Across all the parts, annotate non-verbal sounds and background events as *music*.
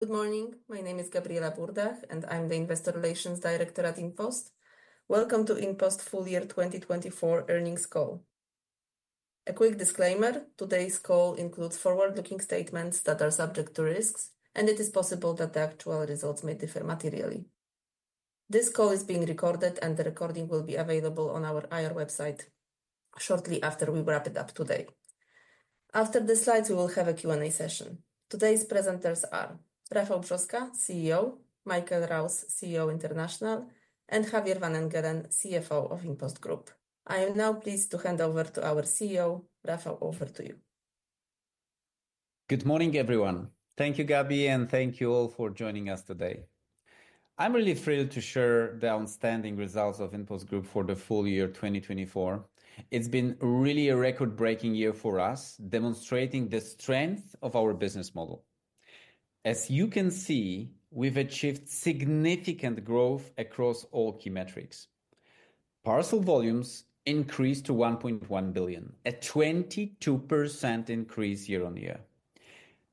Good morning. My name is Gabriela Burdach, and I'm the Investor Relations Director at InPost. Welcome to InPost Full Year 2024 Earnings Call. A quick disclaimer: today's call includes forward-looking statements that are subject to risks, and it is possible that the actual results may differ materially. This call is being recorded, and the recording will be available on our IR website shortly after we wrap it up today. After the slides, we will have a Q&A session. Today's presenters are Rafał Brzoska, CEO; Michael Rouse, CEO International; and Javier van Engelen, CFO of InPost Group. I am now pleased to hand over to our CEO, Rafał. Over to you. Good morning, everyone. Thank you, Gabi, and thank you all for joining us today. I'm really thrilled to share the outstanding results of InPost Group for the full year 2024. It's been really a record-breaking year for us, demonstrating the strength of our business model. As you can see, we've achieved significant growth across all key metrics. Parcel volumes increased to 1.1 billion, a 22% increase year-on-year.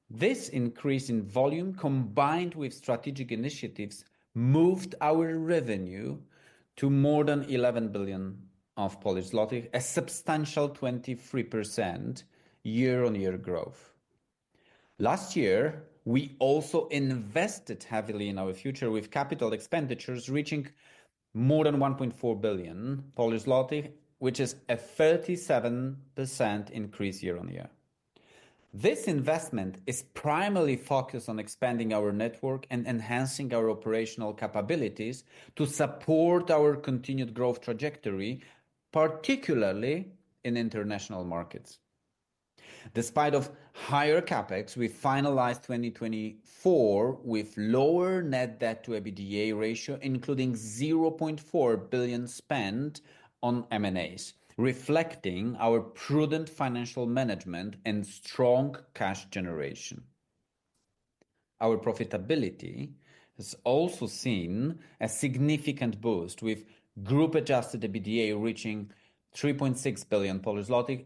This increase in volume, combined with strategic initiatives, moved our revenue to more than 11 billion, a substantial 23% year-on-year growth. Last year, we also invested heavily in our future, with capital expenditures reaching more than 1.4 billion Polish zloty, which is a 37% increase year-on-year. This investment is primarily focused on expanding our network and enhancing our operational capabilities to support our continued growth trajectory, particularly in international markets. Despite higher CapEx, we finalized 2024 with a lower net debt-to-EBITDA ratio, including 0.4 billion spent on M&A, reflecting our prudent financial management and strong cash generation. Our profitability has also seen a significant boost, with group-adjusted EBITDA reaching PLN 3.6 billion,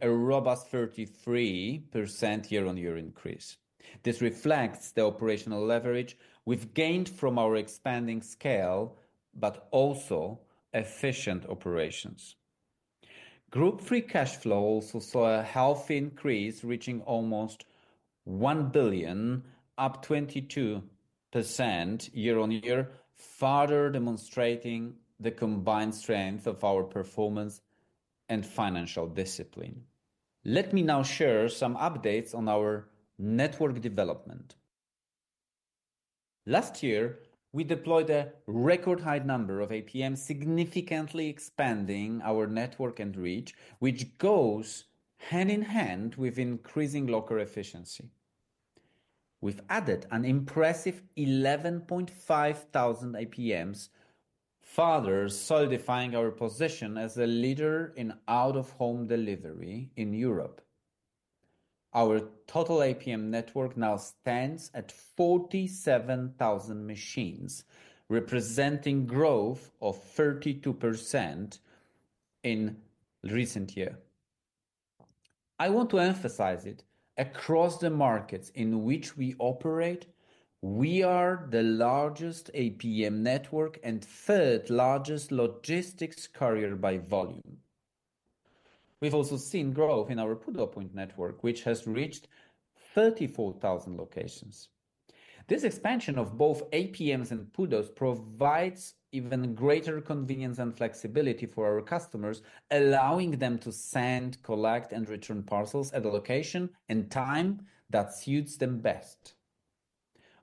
a robust 33% year-on-year increase. This reflects the operational leverage we've gained from our expanding scale but also efficient operations. Group free cash flow also saw a healthy increase, reaching almost 1 billion, up 22% year-on-year, further demonstrating the combined strength of our performance and financial discipline. Let me now share some updates on our network development. Last year, we deployed a record-high number of APMs, significantly expanding our network and reach, which goes hand in hand with increasing locker efficiency. We've added an impressive 11,500 APMs, further solidifying our position as a leader in out-of-home delivery in Europe. Our total APM network now stands at 47,000 machines, representing a growth of 32% in the recent year. I want to emphasize that across the markets in which we operate, we are the largest APM network and third-largest logistics carrier by volume. We've also seen growth in our PUDO point network, which has reached 34,000 locations. This expansion of both APMs and PUDOs provides even greater convenience and flexibility for our customers, allowing them to send, collect, and return parcels at a location and time that suits them best.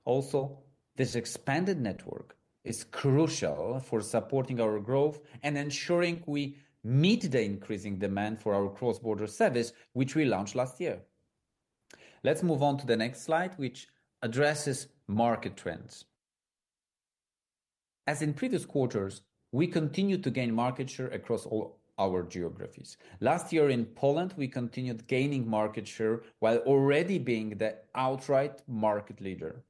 Also, this expanded network is crucial for supporting our growth and ensuring we meet the increasing demand for our cross-border service, which we launched last year. Let's move on to the next slide, which addresses market trends. As in previous quarters, we continue to gain market share across all our geographies. Last year, in Poland, we continued gaining market share while already being the outright market leader.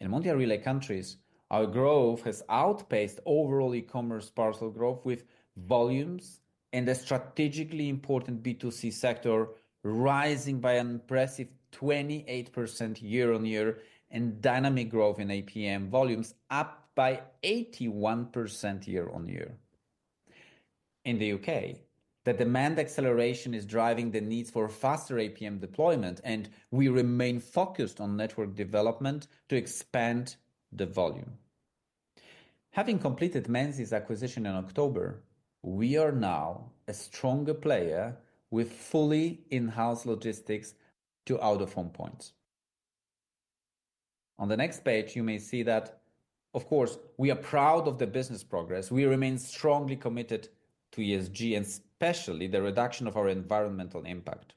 In the Mondial Relay countries, our growth has outpaced overall e-commerce parcel growth, with volumes and the strategically important B2C sector rising by an impressive 28% year-on-year and dynamic growth in APM volumes up by 81% year-on-year. In the U.K., the demand acceleration is driving the needs for faster APM deployment, and we remain focused on network development to expand the volume. Having completed Menzies' acquisition in October, we are now a stronger player with fully in-house logistics to out-of-home points. On the next page, you may see that, of course, we are proud of the business progress. We remain strongly committed to ESG, and especially the reduction of our environmental impact.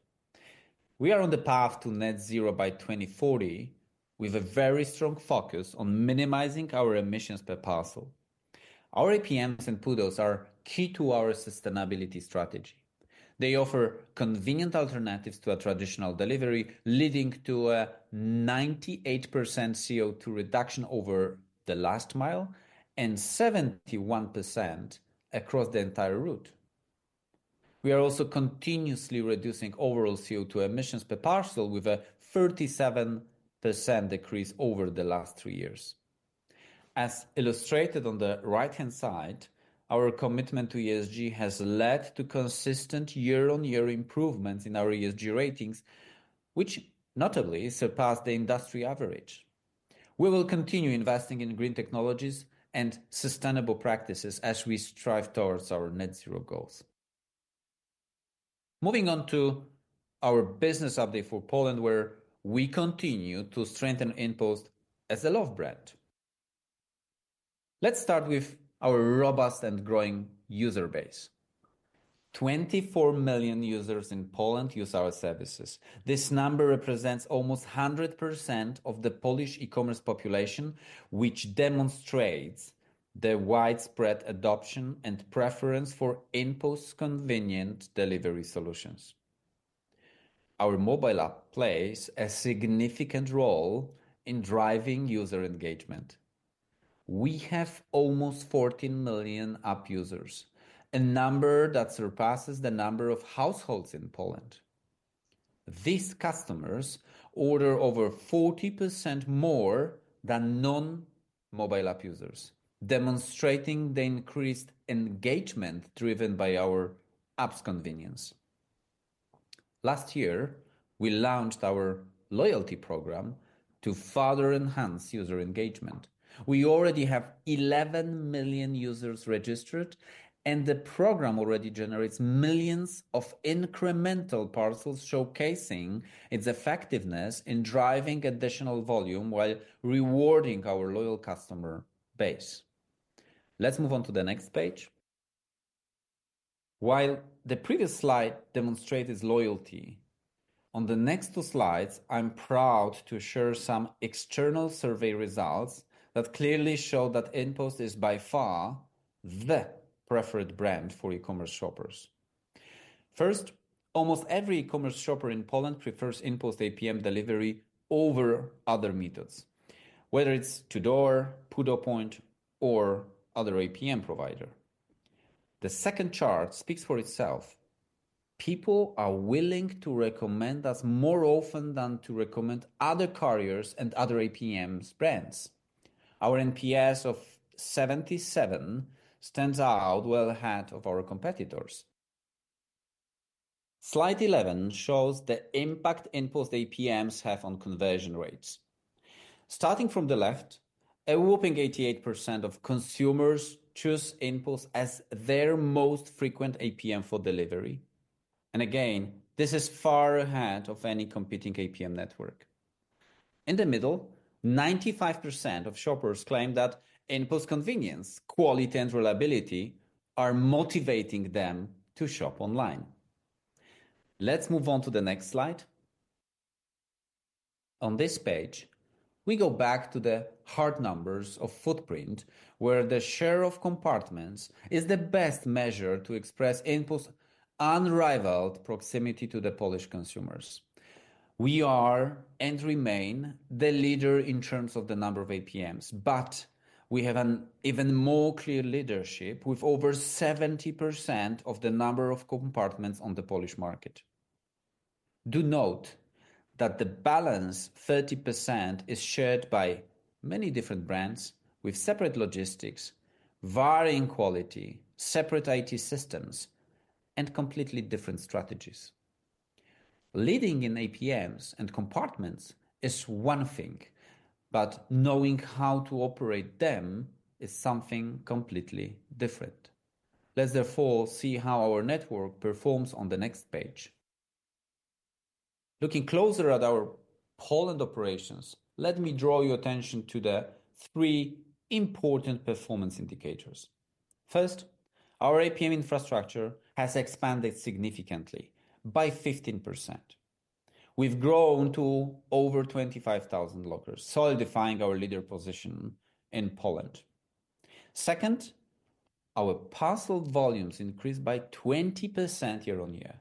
We are on the path to net zero by 2040, with a very strong focus on minimizing our emissions per parcel. Our APMs and PUDOs are key to our sustainability strategy. They offer convenient alternatives to traditional delivery, leading to a 98% CO2 reduction over the last mile and 71% across the entire route. We are also continuously reducing overall CO2 emissions per parcel, with a 37% decrease over the last three years. As illustrated on the right-hand side, our commitment to ESG has led to consistent year-on-year improvements in our ESG ratings, which notably surpass the industry average. We will continue investing in green technologies and sustainable practices as we strive towards our net zero goals. Moving on to our business update for Poland, where we continue to strengthen InPost as a love brand. Let's start with our robust and growing user base. 24 million users in Poland use our services. This number represents almost 100% of the Polish e-commerce population, which demonstrates the widespread adoption and preference for InPost's convenient delivery solutions. Our mobile app plays a significant role in driving user engagement. We have almost 14 million app users, a number that surpasses the number of households in Poland. These customers order over 40% more than non-mobile app users, demonstrating the increased engagement driven by our app's convenience. Last year, we launched our loyalty program to further enhance user engagement. We already have 11 million users registered, and the program already generates millions of incremental parcels, showcasing its effectiveness in driving additional volume while rewarding our loyal customer base. Let's move on to the next page. While the previous slide demonstrated loyalty, on the next two slides, I'm proud to share some external survey results that clearly show that InPost is by far the preferred brand for e-commerce shoppers. First, almost every e-commerce shopper in Poland prefers InPost APM delivery over other methods, whether it's to-door, PUDO point, or other APM provider. The second chart speaks for itself. People are willing to recommend us more often than to recommend other carriers and other APMs brands. Our NPS of 77 stands out well ahead of our competitors. Slide 11 shows the impact InPost APMs have on conversion rates. Starting from the left, a whopping 88% of consumers choose InPost as their most frequent APM for delivery. This is far ahead of any competing APM network. In the middle, 95% of shoppers claim that InPost's convenience, quality, and reliability are motivating them to shop online. Let's move on to the next slide. On this page, we go back to the hard numbers of footprint, where the share of compartments is the best measure to express InPost's unrivaled proximity to the Polish consumers. We are and remain the leader in terms of the number of APMs, but we have an even more clear leadership with over 70% of the number of compartments on the Polish market. Do note that the balance, 30%, is shared by many different brands with separate logistics, varying quality, separate IT systems, and completely different strategies. Leading in APMs and compartments is one thing, but knowing how to operate them is something completely different. Let's therefore see how our network performs on the next page. Looking closer at our Poland operations, let me draw your attention to the three important performance indicators. First, our APM infrastructure has expanded significantly by 15%. We've grown to over 25,000 lockers, solidifying our leader position in Poland. Second, our parcel volumes increased by 20% year-on-year.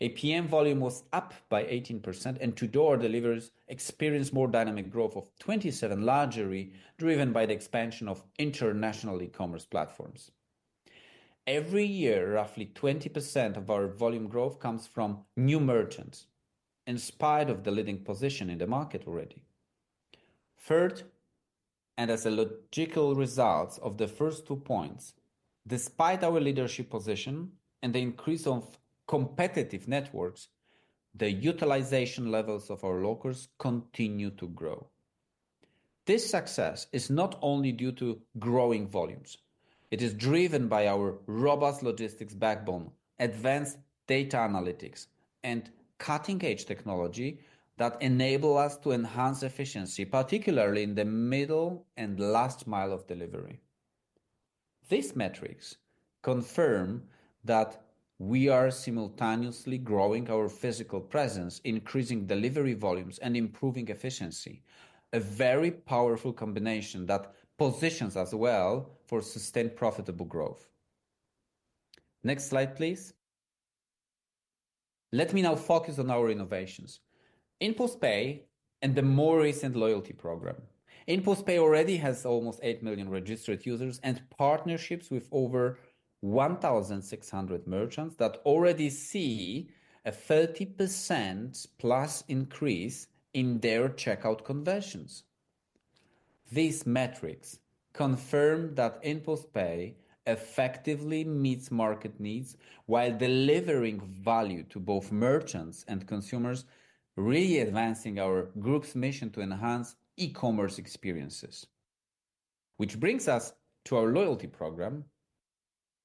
APM volume was up by 18%, and to-door deliveries experienced more dynamic growth of 27%, largely driven by the expansion of international e-commerce platforms. Every year, roughly 20% of our volume growth comes from new merchants, in spite of the leading position in the market already. Third, and as a logical result of the first two points, despite our leadership position and the increase of competitive networks, the utilization levels of our lockers continue to grow. This success is not only due to growing volumes. It is driven by our robust logistics backbone, advanced data analytics, and cutting-edge technology that enable us to enhance efficiency, particularly in the middle and last mile of delivery. These metrics confirm that we are simultaneously growing our physical presence, increasing delivery volumes, and improving efficiency, a very powerful combination that positions us well for sustained profitable growth. Next slide, please. Let me now focus on our innovations: InPost Pay and the more recent loyalty program. InPost Pay already has almost 8 million registered users and partnerships with over 1,600 merchants that already see a 30%+ increase in their checkout conversions. These metrics confirm that InPost Pay effectively meets market needs while delivering value to both merchants and consumers, really advancing our group's mission to enhance e-commerce experiences. Which brings us to our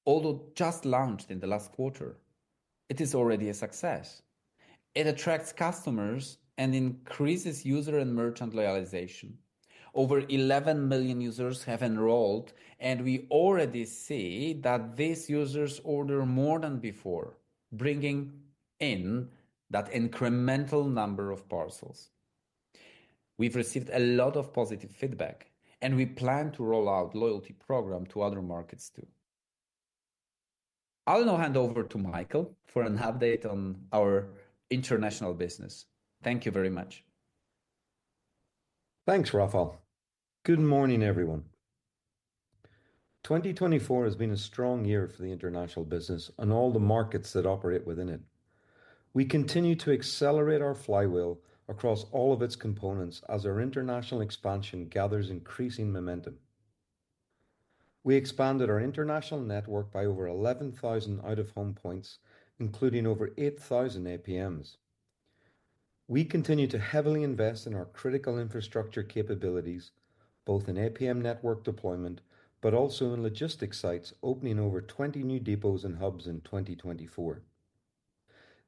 loyalty program. Although just launched in the last quarter, it is already a success. It attracts customers and increases user and merchant loyalization. Over 11 million users have enrolled, and we already see that these users order more than before, bringing in that incremental number of parcels. We've received a lot of positive feedback, and we plan to roll out the loyalty program to other markets too. I'll now hand over to Michael for an update on our international business. Thank you very much. Thanks, Rafał. Good morning, everyone. 2024 has been a strong year for the international business and all the markets that operate within it. We continue to accelerate our flywheel across all of its components as our international expansion gathers increasing momentum. We expanded our international network by over 11,000 out-of-home points, including over 8,000 APMs. We continue to heavily invest in our critical infrastructure capabilities, both in APM network deployment, but also in logistics sites, opening over 20 new depots and hubs in 2024.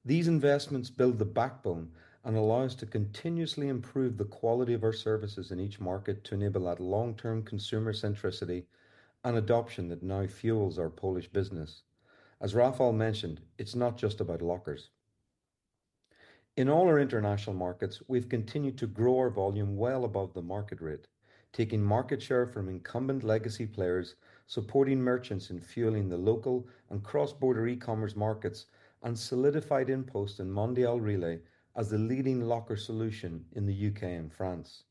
These investments build the backbone and allow us to continuously improve the quality of our services in each market to enable that long-term consumer centricity and adoption that now fuels our Polish business. As Rafał mentioned, it's not just about lockers. In all our international markets, we've continued to grow our volume well above the market rate, taking market share from incumbent legacy players, supporting merchants in fueling the local and cross-border e-commerce markets, and solidified InPost and Mondial Relay as the leading locker solution in the U.K. and France.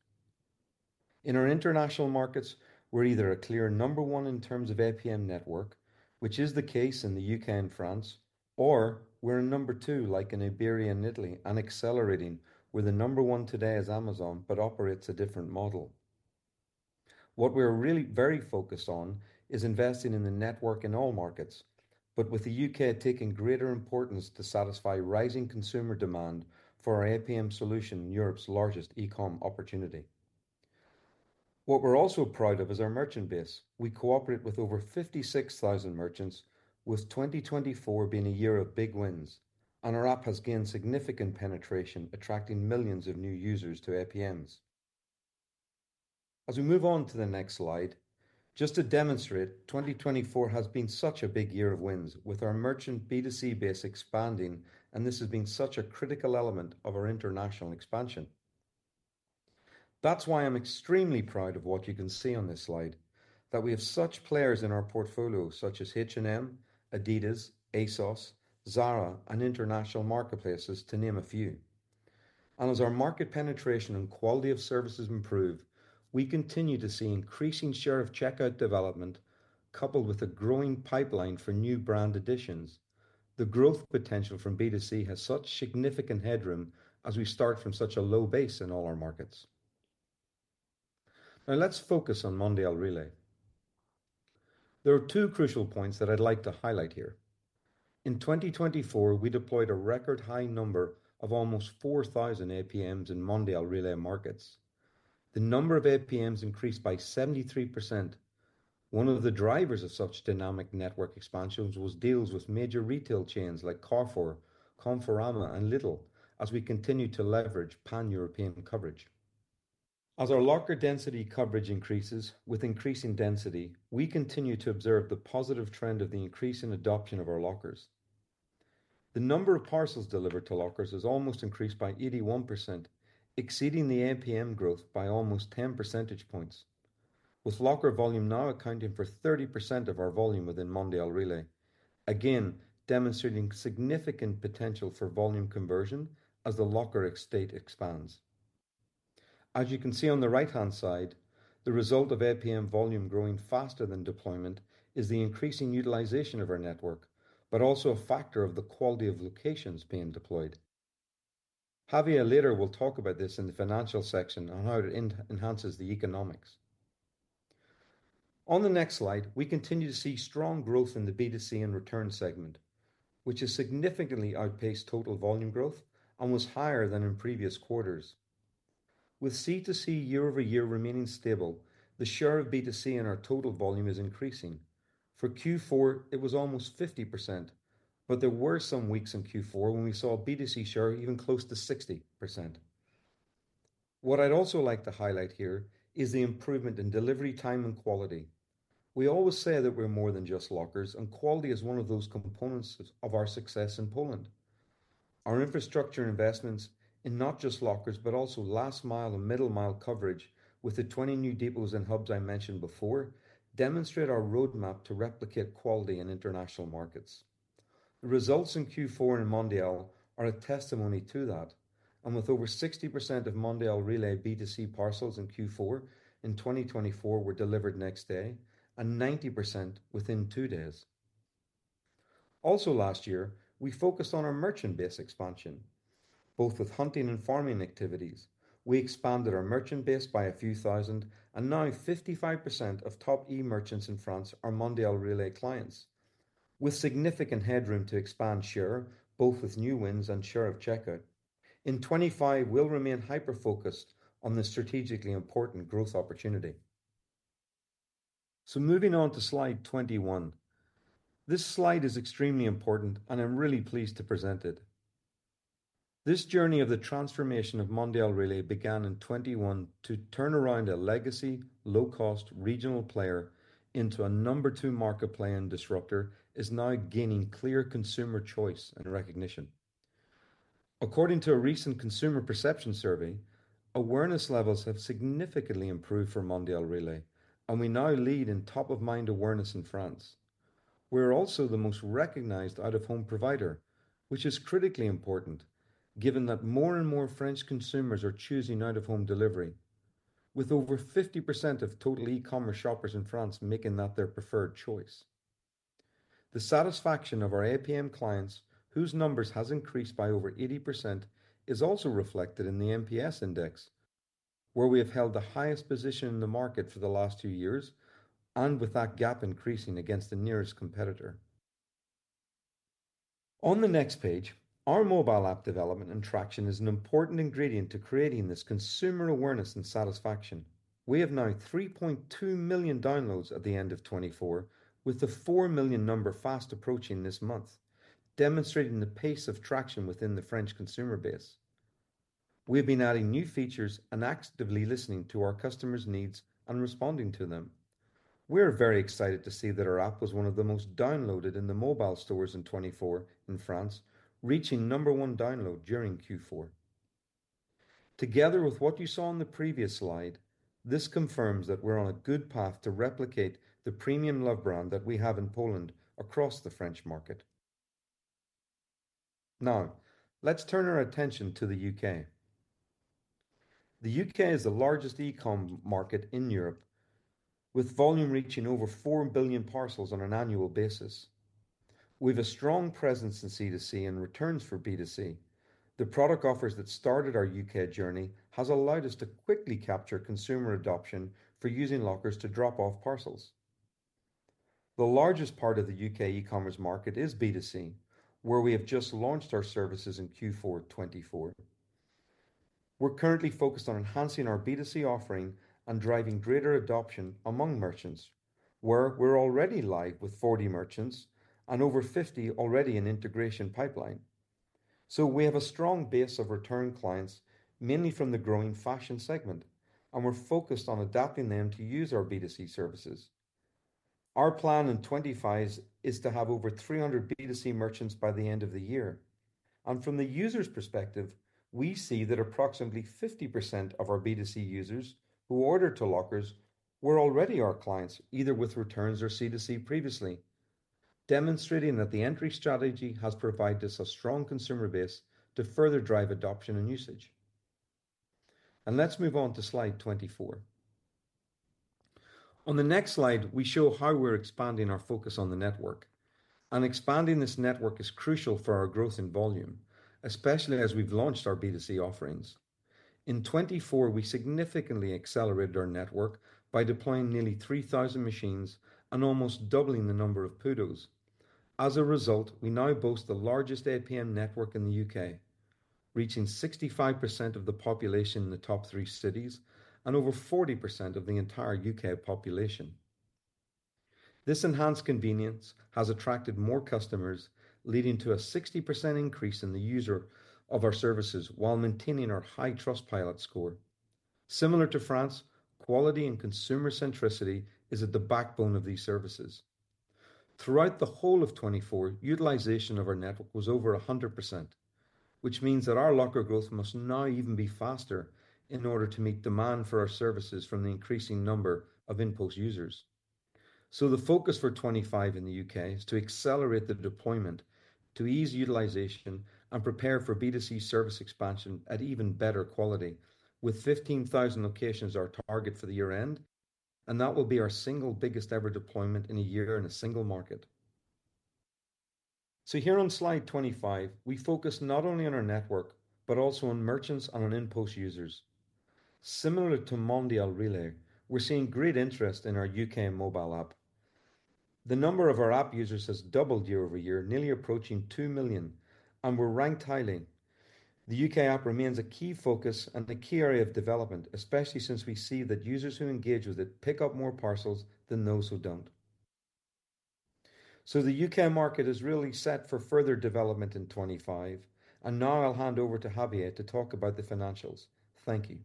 In our international markets, we're either a clear number one in terms of APM network, which is the case in the U.K. and France, or we're a number two, like in Iberia and Italy, and accelerating, where the number one today is Amazon, but operates a different model. What we're really very focused on is investing in the network in all markets, but with the U.K. taking greater importance to satisfy rising consumer demand for our APM solution, Europe's largest e-com opportunity. What we're also proud of is our merchant base. We cooperate with over 56,000 merchants, with 2024 being a year of big wins, and our app has gained significant penetration, attracting millions of new users to APMs. As we move on to the next slide, just to demonstrate, 2024 has been such a big year of wins with our merchant B2C base expanding, and this has been such a critical element of our international expansion. That's why I'm extremely proud of what you can see on this slide, that we have such players in our portfolio, such as H&M, Adidas, ASOS, Zara, and international marketplaces, to name a few. As our market penetration and quality of services improve, we continue to see an increasing share of checkout development, coupled with a growing pipeline for new brand additions. The growth potential from B2C has such significant headroom as we start from such a low base in all our markets. Now, let's focus on Mondial Relay. There are two crucial points that I'd like to highlight here. In 2024, we deployed a record high number of almost 4,000 APMs in Mondial Relay markets. The number of APMs increased by 73%. One of the drivers of such dynamic network expansions was deals with major retail chains like Carrefour, Conforama, and LIDL, as we continue to leverage pan-European coverage. As our locker density coverage increases with increasing density, we continue to observe the positive trend of the increase in adoption of our lockers. The number of parcels delivered to lockers has almost increased by 81%, exceeding the APM growth by almost 10 percentage points, with locker volume now accounting for 30% of our volume within Mondial Relay, again demonstrating significant potential for volume conversion as the locker estate expands. As you can see on the right-hand side, the result of APM volume growing faster than deployment is the increasing utilization of our network, but also a factor of the quality of locations being deployed. Javier later will talk about this in the financial section on how it enhances the economics. On the next slide, we continue to see strong growth in the B2C and return segment, which has significantly outpaced total volume growth and was higher than in previous quarters. With C2C year-over-year remaining stable, the share of B2C in our total volume is increasing. For Q4, it was almost 50%, but there were some weeks in Q4 when we saw B2C share even close to 60%. What I'd also like to highlight here is the improvement in delivery time and quality. We always say that we're more than just lockers, and quality is one of those components of our success in Poland. Our infrastructure investments in not just lockers, but also last mile and middle mile coverage, with the 20 new depots and hubs I mentioned before, demonstrate our roadmap to replicate quality in international markets. The results in Q4 and Mondial are a testimony to that, and with over 60% of Mondial Relay B2C parcels in Q4 in 2024, we're delivered next day, and 90% within two days. Also, last year, we focused on our merchant base expansion. Both with hunting and farming activities, we expanded our merchant base by a few thousand, and now 55% of top e-merchants in France are Mondial Relay clients, with significant headroom to expand share, both with new wins and share of checkout. In 2025, we'll remain hyper-focused on this strategically important growth opportunity. Moving on to slide 21. This slide is extremely important, and I'm really pleased to present it. This journey of the transformation of Mondial Relay began in 2021 to turn around a legacy, low-cost regional player into a number two market play and disruptor, is now gaining clear consumer choice and recognition. According to a recent consumer perception survey, awareness levels have significantly improved for Mondial Relay, and we now lead in top-of-mind awareness in France. We're also the most recognized out-of-home provider, which is critically important, given that more and more French consumers are choosing out-of-home delivery, with over 50% of total e-commerce shoppers in France making that their preferred choice. The satisfaction of our APM clients, whose numbers have increased by over 80%, is also reflected in the NPS index, where we have held the highest position in the market for the last two years, and with that gap increasing against the nearest competitor. On the next page, our mobile app development and traction is an important ingredient to creating this consumer awareness and satisfaction. We have now 3.2 million downloads at the end of 2024, with the 4 million number fast approaching this month, demonstrating the pace of traction within the French consumer base. We've been adding new features and actively listening to our customers' needs and responding to them. We're very excited to see that our app was one of the most downloaded in the mobile stores in 2024 in France, reaching number one download during Q4. Together with what you saw on the previous slide, this confirms that we're on a good path to replicate the premium love brand that we have in Poland across the French market. Now, let's turn our attention to the U.K.. The U.K. is the largest e-com market in Europe, with volume reaching over 4 billion parcels on an annual basis. With a strong presence in C2C and returns for B2C, the product offers that started our U.K. journey have allowed us to quickly capture consumer adoption for using lockers to drop off parcels. The largest part of the U.K. e-commerce market is B2C, where we have just launched our services in Q4 2024. We're currently focused on enhancing our B2C offering and driving greater adoption among merchants, where we're already live with 40 merchants and over 50 already in integration pipeline. We have a strong base of return clients, mainly from the growing fashion segment, and we're focused on adapting them to use our B2C services. Our plan in 2025 is to have over 300 B2C merchants by the end of the year. From the user's perspective, we see that approximately 50% of our B2C users who order to lockers were already our clients, either with returns or C2C previously, demonstrating that the entry strategy has provided us a strong consumer base to further drive adoption and usage. Let's move on to slide 24. On the next slide, we show how we're expanding our focus on the network. Expanding this network is crucial for our growth in volume, especially as we've launched our B2C offerings. In 2024, we significantly accelerated our network by deploying nearly 3,000 machines and almost doubling the number of PUDOs. As a result, we now boast the largest APM network in the U.K., reaching 65% of the population in the top three cities and over 40% of the entire U.K. population. This enhanced convenience has attracted more customers, leading to a 60% increase in the use of our services while maintaining our high Trustpilot score. Similar to France, quality and consumer centricity is at the backbone of these services. Throughout the whole of 2024, utilization of our network was over 100%, which means that our locker growth must now even be faster in order to meet demand for our services from the increasing number of InPost users. The focus for 2025 in the U.K. is to accelerate the deployment to ease utilization and prepare for B2C service expansion at even better quality, with 15,000 locations our target for the year end, and that will be our single biggest ever deployment in a year in a single market. Here on slide 25, we focus not only on our network, but also on merchants and on InPost users. Similar to Mondial Relay, we're seeing great interest in our U.K. mobile app. The number of our app users has doubled year-over-year, nearly approaching 2 million, and we're ranked highly. The U.K. app remains a key focus and a key area of development, especially since we see that users who engage with it pick up more parcels than those who don't. The U.K. market is really set for further development in 2025, and now I'll hand over to Javier to talk about the financials. Thank you.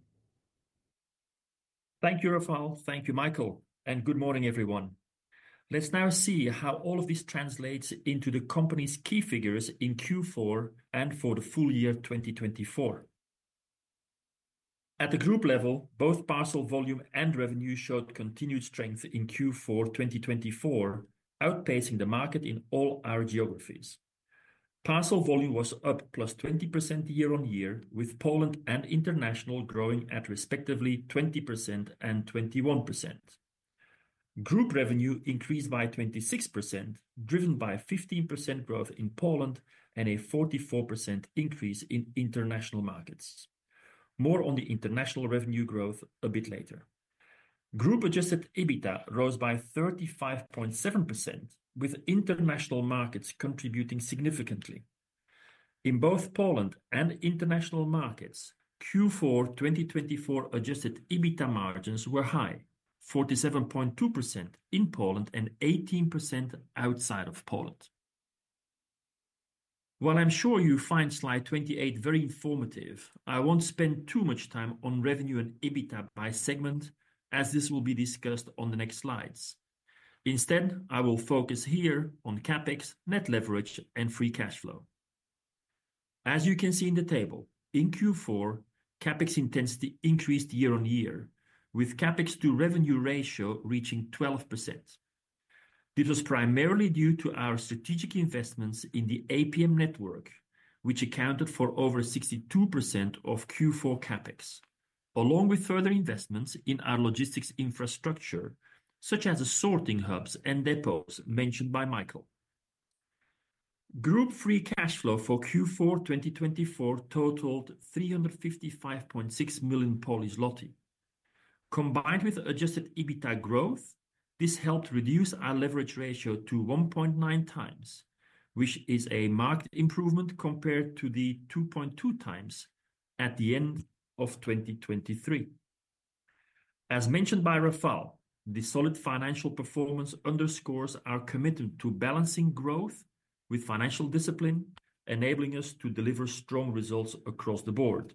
Thank you, Rafał. Thank you, Michael. Good morning, everyone. Let's now see how all of this translates into the company's key figures in Q4 and for the full year 2024. At the group level, both parcel volume and revenue showed continued strength in Q4 2024, outpacing the market in all our geographies. Parcel volume was up +20% year-on-year, with Poland and international growing at respectively 20% and 21%. Group revenue increased by 26%, driven by 15% growth in Poland and a 44% increase in international markets. More on the international revenue growth a bit later. Group adjusted EBITDA rose by 35.7%, with international markets contributing significantly. In both Poland and international markets, Q4 2024 adjusted EBITDA margins were high, 47.2% in Poland and 18% outside of Poland. While I'm sure you find slide 28 very informative, I won't spend too much time on revenue and EBITDA by segment, as this will be discussed on the next slides. Instead, I will focus here on CapEx, net leverage, and free cash flow. As you can see in the table, in Q4, CapEx intensity increased year-on-year, with CapEx to revenue ratio reaching 12%. This was primarily due to our strategic investments in the APM network, which accounted for over 62% of Q4 CapEx, along with further investments in our logistics infrastructure, such as assorting hubs and depots mentioned by Michael. Group free cash flow for Q4 2024 totaled 355.6 million. Combined with adjusted EBITDA growth, this helped reduce our leverage ratio to 1.9x, which is a marked improvement compared to the 2.2x at the end of 2023. As mentioned by Rafał, the solid financial performance underscores our commitment to balancing growth with financial discipline, enabling us to deliver strong results across the board.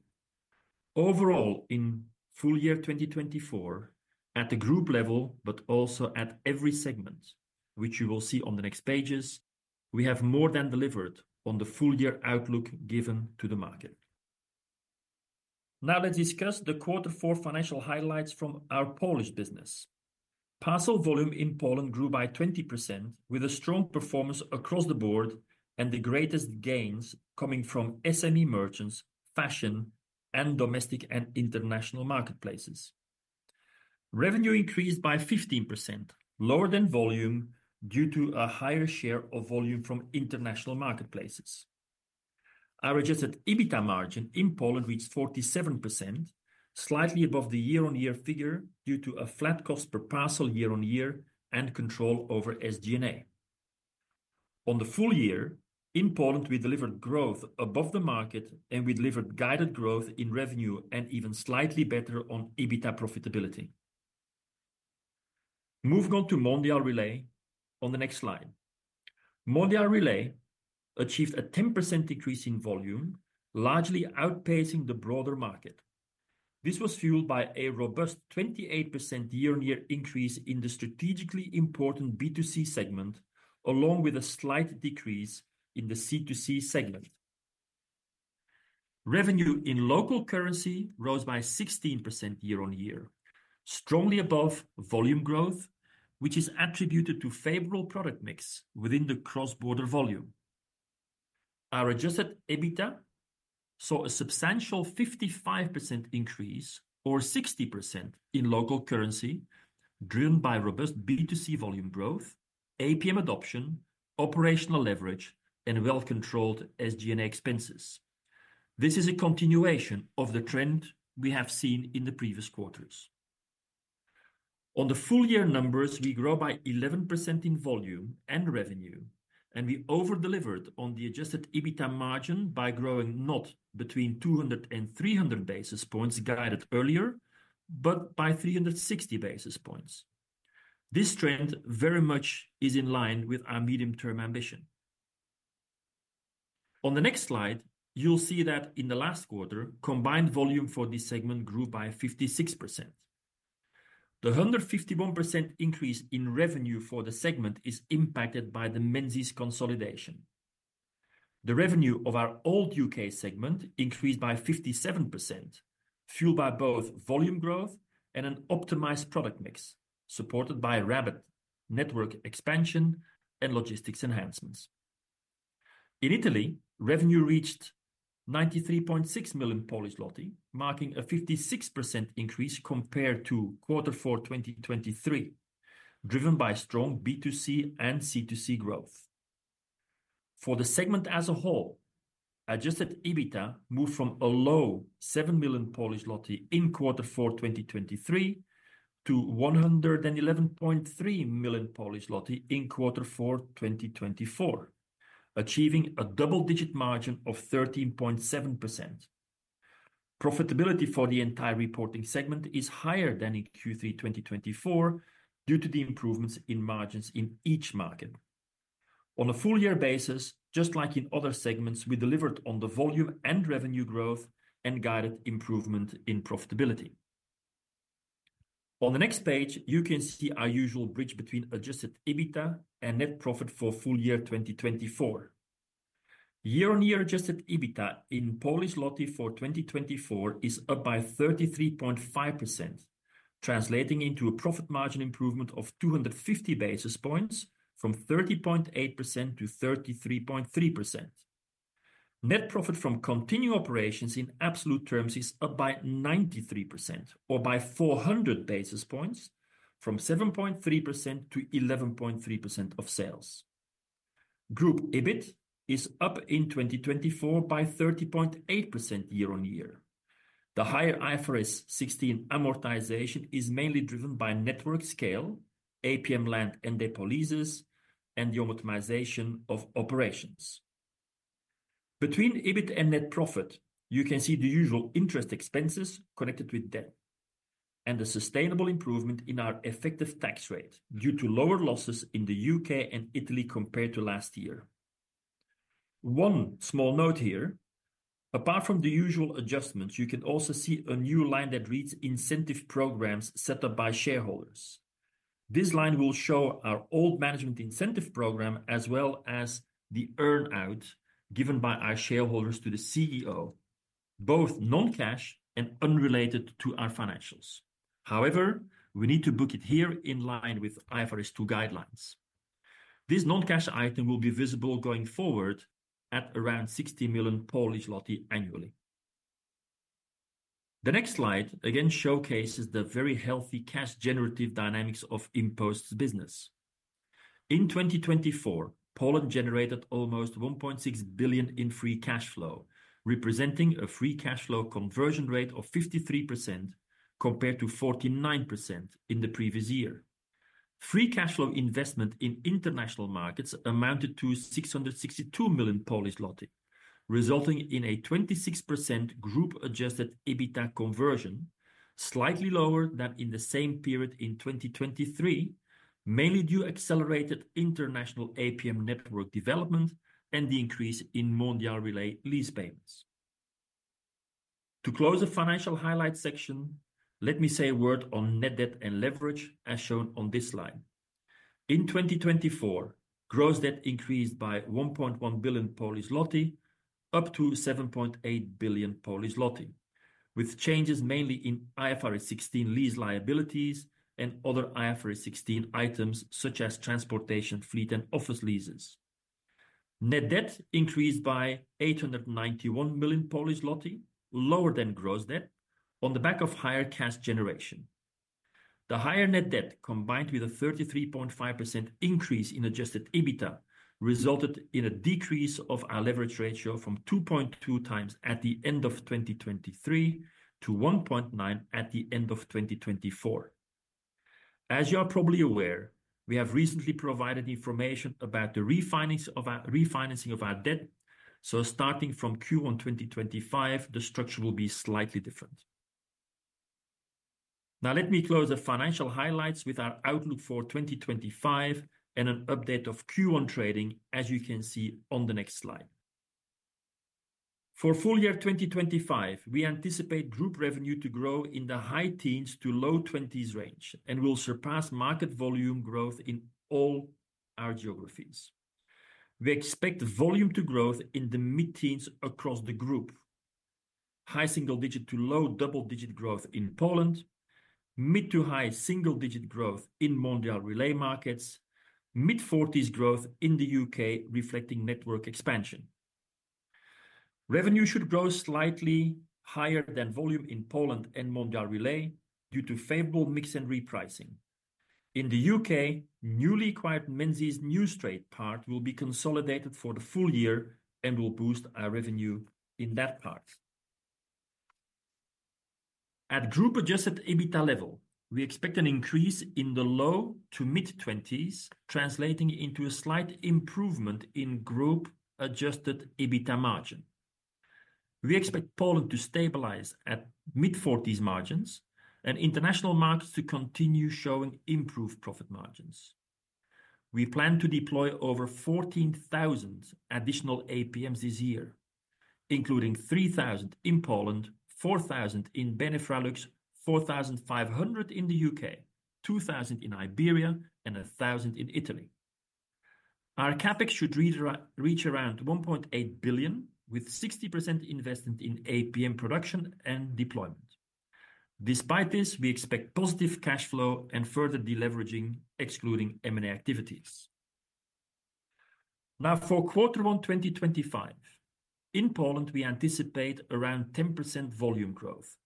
Overall, in full year 2024, at the group level, but also at every segment, which you will see on the next pages, we have more than delivered on the full year outlook given to the market. Now let's discuss the quarter four financial highlights from our Polish business. Parcel volume in Poland grew by 20%, with a strong performance across the board and the greatest gains coming from SME merchants, fashion, and domestic and international marketplaces. Revenue increased by 15%, lower than volume due to a higher share of volume from international marketplaces. Our adjusted EBITDA margin in Poland reached 47%, slightly above the year-on-year figure due to a flat cost per parcel year-on-year and control over SG&A. On the full year, in Poland, we delivered growth above the market and we delivered guided growth in revenue and even slightly better on EBITDA profitability. Moving on to Mondial Relay on the next slide. Mondial Relay achieved a 10% decrease in volume, largely outpacing the broader market. This was fueled by a robust 28% year-on-year increase in the strategically important B2C segment, along with a slight decrease in the C2C segment. Revenue in local currency rose by 16% year-on-year, strongly above volume growth, which is attributed to favorable product mix within the cross-border volume. Our adjusted EBITDA saw a substantial 55% increase or 60% in local currency, driven by robust B2C volume growth, APM adoption, operational leverage, and well-controlled SG&A expenses. This is a continuation of the trend we have seen in the previous quarters. On the full year numbers, we grew by 11% in volume and revenue, and we over-delivered on the adjusted EBITDA margin by growing not between 200 basis points and 300 basis points guided earlier, but by 360 basis points. This trend very much is in line with our medium-term ambition. On the next slide, you'll see that in the last quarter, combined volume for the segment grew by 56%. The 151% increase in revenue for the segment is impacted by the Menzies consolidation. The revenue of our old U.K. segment increased by 57%, fueled by both volume growth and an optimized product mix supported by Rabbit network expansion and logistics enhancements. In Italy, revenue reached 93.6 million, marking a 56% increase compared to quarter four 2023, driven by strong B2C and C2C growth. For the segment as a whole, adjusted EBITDA moved from a low 7 million in quarter four 2023 to 111.3 million in quarter four 2024, achieving a double-digit margin of 13.7%. Profitability for the entire reporting segment is higher than in Q3 2024 due to the improvements in margins in each market. On a full year basis, just like in other segments, we delivered on the volume and revenue growth and guided improvement in profitability. On the next page, you can see our usual bridge between adjusted EBITDA and net profit for full year 2024. Year-on-year adjusted EBITDA in Polish złoty for 2024 is up by 33.5%, translating into a profit margin improvement of 250 basis points from 30.8%-33.3%. Net profit from continued operations in absolute terms is up by 93% or by 400 basis points from 7.3%-11.3% of sales. Group EBIT is up in 2024 by 30.8% year-on-year. The higher IFRS 16 amortization is mainly driven by network scale, APM land and, *audio distortion* and the optimization of operations. Between EBIT and net profit, you can see the usual interest expenses connected with debt and the sustainable improvement in our effective tax rate due to lower losses in the U.K. and Italy compared to last year. One small note here, apart from the usual adjustments, you can also see a new line that reads incentive programs set up by shareholders. This line will show our old management incentive program as well as the earn-out given by our shareholders to the CEO, both non-cash and unrelated to our financials. However, we need to book it here in line with IFRS 2 guidelines. This non-cash item will be visible going forward at around 60 million annually. The next slide again showcases the very healthy cash generative dynamics of InPost's business. In 2024, Poland generated almost 1.6 billion in free cash flow, representing a free cash flow conversion rate of 53% compared to 49% in the previous year. Free cash flow investment in international markets amounted to 662 million, resulting in a 26% group adjusted EBITDA conversion, slightly lower than in the same period in 2023, mainly due to accelerated international APM network development and the increase in Mondial Relay lease payments. To close the financial highlight section, let me say a word on net debt and leverage as shown on this slide. In 2024, gross debt increased by 1.1 billion, up to 7.8 billion, with changes mainly in IFRS 16 lease liabilities and other IFRS 16 items such as transportation, fleet, and office leases. Net debt increased by 891 million, lower than gross debt on the back of higher cash generation. The higher net debt combined with a 33.5% increase in adjusted EBITDA resulted in a decrease of our leverage ratio from 2.2x at the end of 2023 to 1.9x at the end of 2024. As you are probably aware, we have recently provided information about the refinancing of our debt, so starting from Q1 2025, the structure will be slightly different. Now let me close the financial highlights with our outlook for 2025 and an update of Q1 trading, as you can see on the next slide. For full year 2025, we anticipate group revenue to grow in the high teens to low twenties range and will surpass market volume growth in all our geographies. We expect volume to grow in the mid-teens across the group, high single-digit to low double-digit growth in Poland, mid to high single-digit growth in Mondial Relay markets, mid-forties growth in the U.K. reflecting network expansion. Revenue should grow slightly higher than volume in Poland and Mondial Relay due to favorable mix and repricing. In the U.K., newly acquired Menzies new straight part will be consolidated for the full year and will boost our revenue in that part. At group adjusted EBITDA level, we expect an increase in the low to mid-twenties, translating into a slight improvement in group adjusted EBITDA margin. We expect Poland to stabilize at mid-forties margins and international markets to continue showing improved profit margins. We plan to deploy over 14,000 additional APMs this year, including 3,000 in Poland, 4,000 in Benelux, 4,500 in the U.K., 2,000 in Iberia, and 1,000 in Italy. Our CapEx should reach around 1.8 billion with 60% investment in APM production and deployment. Despite this, we expect positive cash flow and further deleveraging, excluding M&A activities. Now, for quarter one 2025, in Poland, we anticipate around 10% volume growth,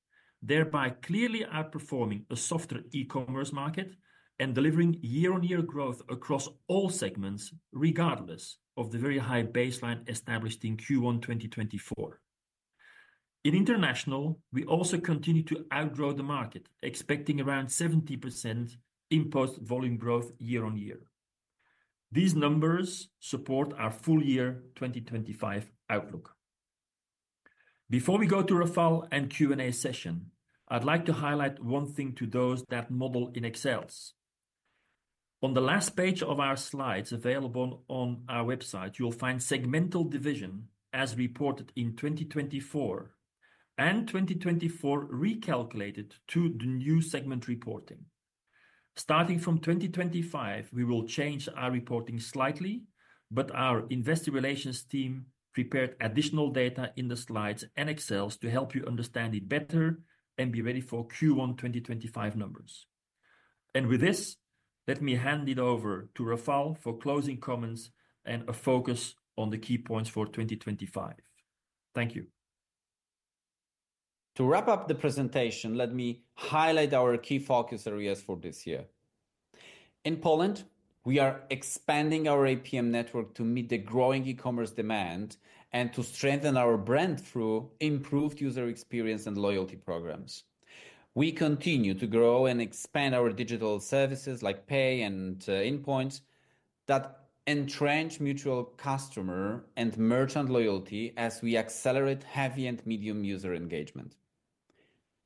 thereby clearly outperforming a softer e-commerce market and delivering year-on-year growth across all segments, regardless of the very high baseline established in Q1 2024. In international, we also continue to outgrow the market, expecting around 70% InPost volume growth year-on-year. These numbers support our full year 2025 outlook. Before we go to Rafał and Q&A session, I'd like to highlight one thing to those that model in Excels. On the last page of our slides available on our website, you'll find segmental division as reported in 2024 and 2024 recalculated to the new segment reporting. Starting from 2025, we will change our reporting slightly, but our investor relations team prepared additional data in the slides and Excels to help you understand it better and be ready for Q1 2025 numbers. With this, let me hand it over to Rafał for closing comments and a focus on the key points for 2025. Thank you. To wrap up the presentation, let me highlight our key focus areas for this year. In Poland, we are expanding our APM network to meet the growing e-commerce demand and to strengthen our brand through improved user experience and loyalty programs. We continue to grow and expand our digital services like pay and endpoints that entrench mutual customer and merchant loyalty as we accelerate heavy and medium user engagement.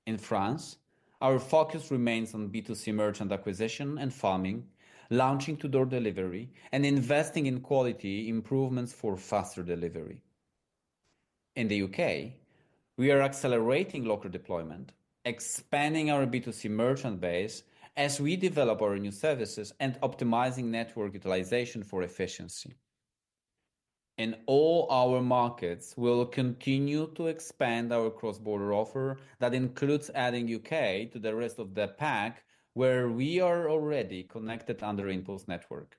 In France, our focus remains on B2C merchant acquisition and farming, launching to-door delivery and investing in quality improvements for faster delivery. In the U.K., we are accelerating local deployment, expanding our B2C merchant base as we develop our new services and optimizing network utilization for efficiency. In all our markets, we'll continue to expand our cross-border offer that includes adding U.K. to the rest of the pack where we are already connected under InPost Network.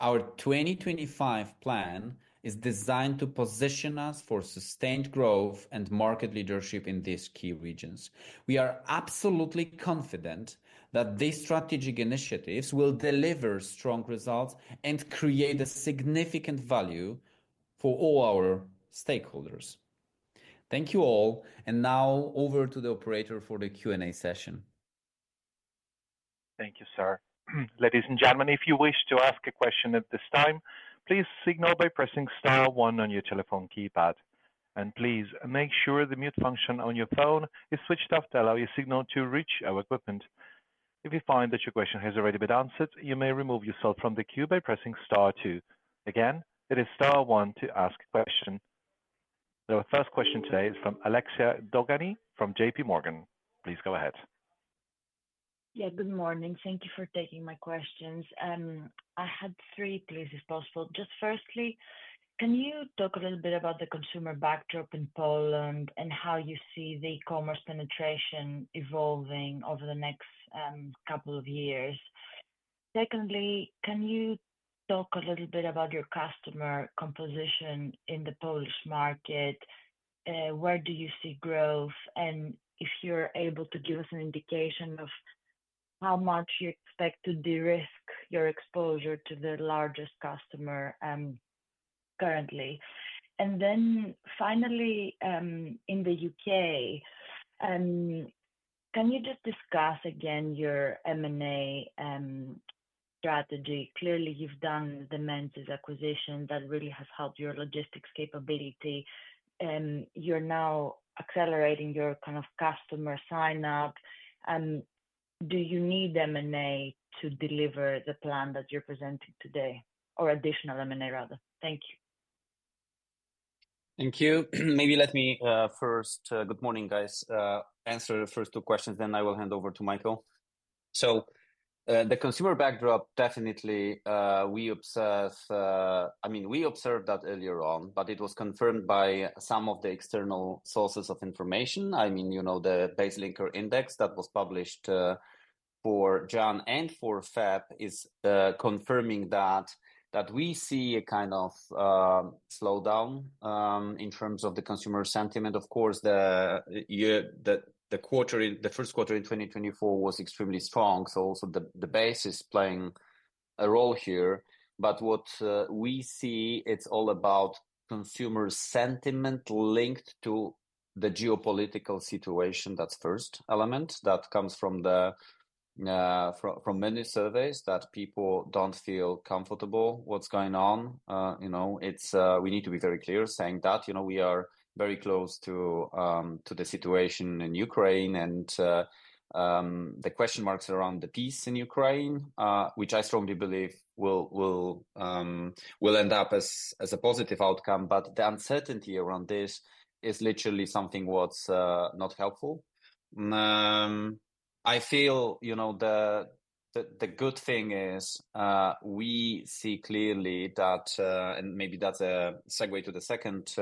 Our 2025 plan is designed to position us for sustained growth and market leadership in these key regions. We are absolutely confident that these strategic initiatives will deliver strong results and create a significant value for all our stakeholders. Thank you all, and now over to the operator for the Q&A session. Thank you, sir. Ladies and gentlemen, if you wish to ask a question at this time, please signal by pressing star one on your telephone keypad. Please make sure the mute function on your phone is switched off to allow your signal to reach our equipment. If you find that your question has already been answered, you may remove yourself from the queue by pressing star two. Again, it is star one to ask a question. Our first question today is from Alexia Dogani from JPMorgan. Please go ahead. Yeah, good morning. Thank you for taking my questions. I had three places possible. Just firstly, can you talk a little bit about the consumer backdrop in Poland and how you see the e-commerce penetration evolving over the next couple of years? Secondly, can you talk a little bit about your customer composition in the Polish market? Where do you see growth? If you're able to give us an indication of how much you expect to de-risk your exposure to the largest customer currently. Finally, in the U.K., can you just discuss again your M&A strategy? Clearly, you've done the Menzies acquisition that really has helped your logistics capability. You're now accelerating your kind of customer sign-up. Do you need M&A to deliver the plan that you're presenting today or additional M&A rather? Thank you. Thank you. Maybe let me first, good morning, guys, answer the first two questions, then I will hand over to Michael. The consumer backdrop, definitely we observe, I mean, we observed that earlier on, but it was confirmed by some of the external sources of information. I mean, you know the BaseLinker index that was published for [January] and for [February] is confirming that we see a kind of slowdown in terms of the consumer sentiment. Of course, the quarter, the first quarter in 2024 was extremely strong. Also the base is playing a role here. What we see, it's all about consumer sentiment linked to the geopolitical situation. That's the first element that comes from many surveys that people do not feel comfortable with what's going on. You know, we need to be very clear saying that we are very close to the situation in Ukraine and the question marks around the peace in Ukraine, which I strongly believe will end up as a positive outcome. The uncertainty around this is literally something that's not helpful. I feel, you know, the good thing is we see clearly that, and maybe that's a segue to the second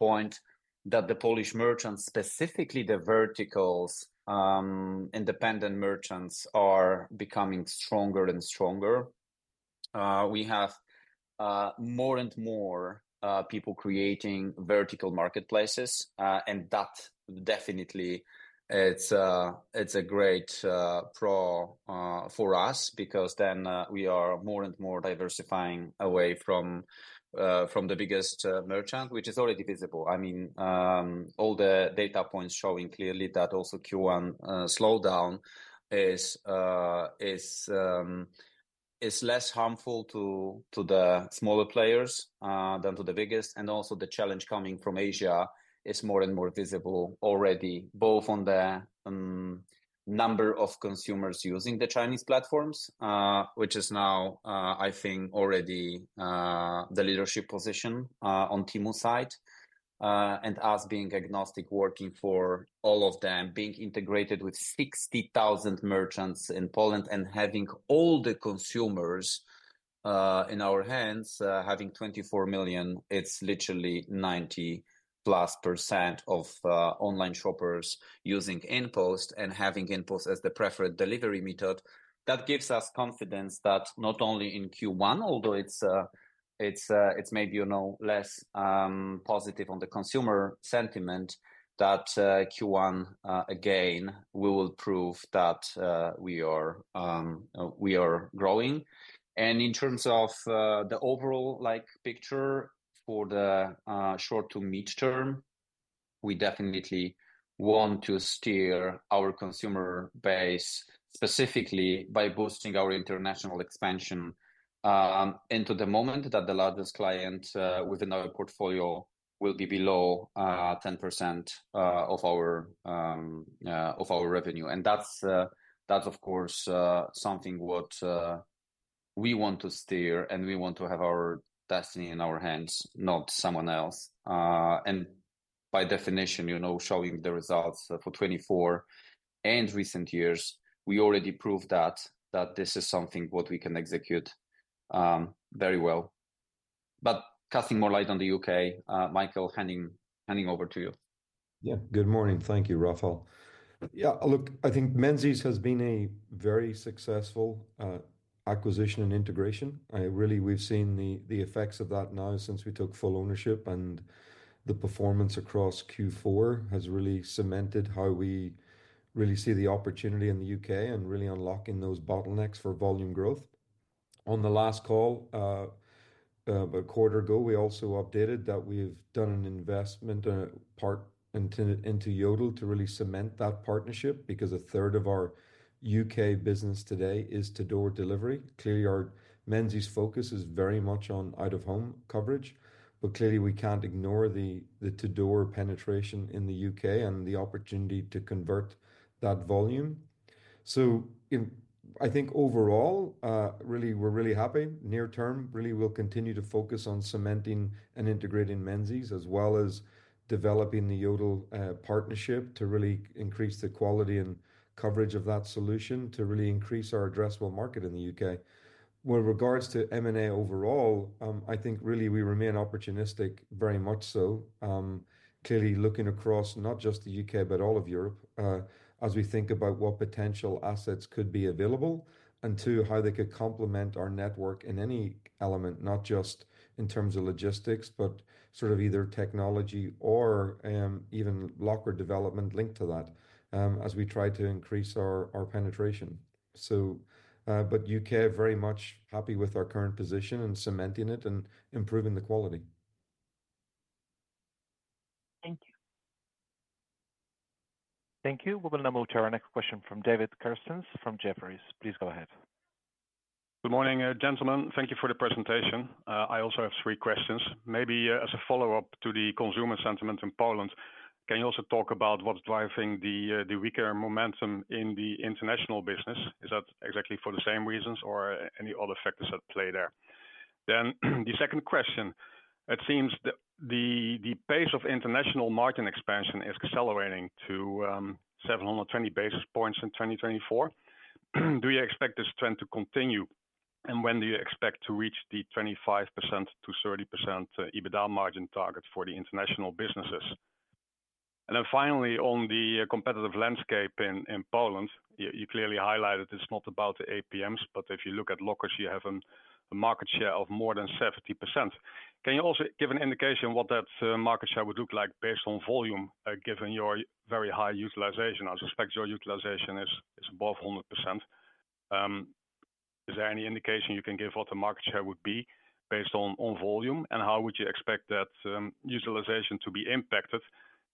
point, that the Polish merchants, specifically the verticals and independent merchants, are becoming stronger and stronger. We have more and more people creating vertical marketplaces, and that definitely, it's a great pro for us because then we are more and more diversifying away from the biggest merchant, which is already visible. I mean, all the data points showing clearly that also Q1 slowdown is less harmful to the smaller players than to the biggest. Also, the challenge coming from Asia is more and more visible already, both on the number of consumers using the Chinese platforms, which is now, I think, already the leadership position on Temu side and us being agnostic, working for all of them, being integrated with 60,000 merchants in Poland and having all the consumers in our hands, having 24 million, it's literally 90+% of online shoppers using InPost and having InPost as the preferred delivery method. That gives us confidence that not only in Q1, although it's maybe, you know, less positive on the consumer sentiment, that Q1 again, we will prove that we are growing. In terms of the overall picture for the short to mid term, we definitely want to steer our consumer base specifically by boosting our international expansion into the moment that the largest client within our portfolio will be below 10% of our revenue. That is, of course, something we want to steer and we want to have our destiny in our hands, not someone else. By definition, you know, showing the results for 2024 and recent years, we already proved that this is something we can execute very well. Casting more light on the U.K., Michael, handing over to you. Yeah, good morning. Thank you, Rafał. Yeah, look, I think Menzies has been a very successful acquisition and integration. I really, we've seen the effects of that now since we took full ownership and the performance across Q4 has really cemented how we really see the opportunity in the U.K. and really unlocking those bottlenecks for volume growth. On the last call a quarter ago, we also updated that we've done an investment part into Yodel to really cement that partnership because 1/3 of our U.K. business today is to door delivery. Clearly, our Menzies focus is very much on out-of-home coverage, but clearly we can't ignore the to door penetration in the U.K. and the opportunity to convert that volume. I think overall, really we're really happy near term, really we'll continue to focus on cementing and integrating Menzies as well as developing the Yodel partnership to really increase the quality and coverage of that solution to really increase our addressable market in the U.K.. With regards to M&A overall, I think really we remain opportunistic, very much so. Clearly looking across not just the U.K., but all of Europe as we think about what potential assets could be available and to how they could complement our network in any element, not just in terms of logistics, but sort of either technology or even locker development linked to that as we try to increase our penetration. U.K. very much happy with our current position and cementing it and improving the quality. Thank you. Thank you. We will now move to our next question from David Kerstens from Jefferies. Please go ahead. Good morning, gentlemen. Thank you for the presentation. I also have three questions. Maybe as a follow-up to the consumer sentiment in Poland, can you also talk about what's driving the weaker momentum in the international business? Is that exactly for the same reasons or any other factors that play there? The second question, it seems that the pace of international margin expansion is accelerating to 720 basis points in 2024. Do you expect this trend to continue? When do you expect to reach the 25%-30% EBITDA margin target for the international businesses? Finally, on the competitive landscape in Poland, you clearly highlighted it's not about the APMs, but if you look at lockers, you have a market share of more than 70%. Can you also give an indication of what that market share would look like based on volume given your very high utilization? I suspect your utilization is above 100%. Is there any indication you can give what the market share would be based on volume and how would you expect that utilization to be impacted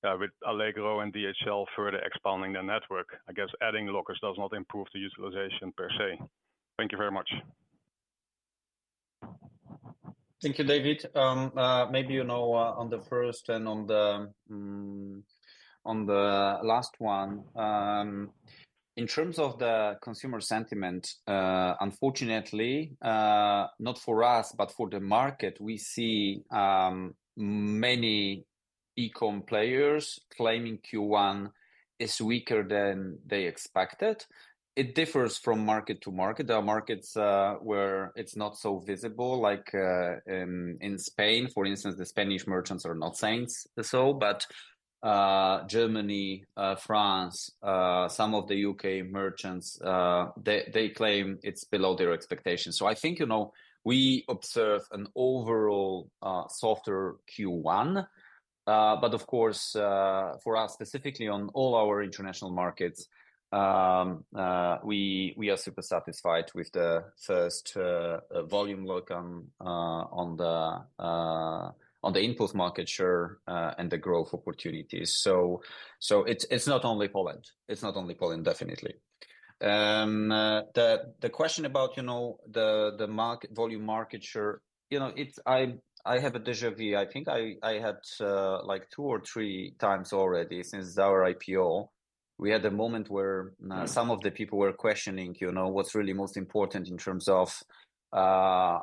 with Allegro and DHL further expanding their network? I guess adding lockers does not improve the utilization per se. Thank you very much. Thank you, David. Maybe you know on the first and on the last one, in terms of the consumer sentiment, unfortunately, not for us, but for the market, we see many e-com players claiming Q1 is weaker than they expected. It differs from market to market. There are markets where it's not so visible, like in Spain, for instance, the Spanish merchants are not saying so, but Germany, France, some of the U.K. merchants, they claim it's below their expectations. I think, you know, we observe an overall softer Q1, but of course for us specifically on all our international markets, we are super satisfied with the first volume look on the InPost market share and the growth opportunities. It's not only Poland. It's not only Poland, definitely. The question about, you know, the volume market share, you know, I have a déjà vu. I think I had like two or three times already since our IPO. We had a moment where some of the people were questioning, you know, what's really most important in terms of the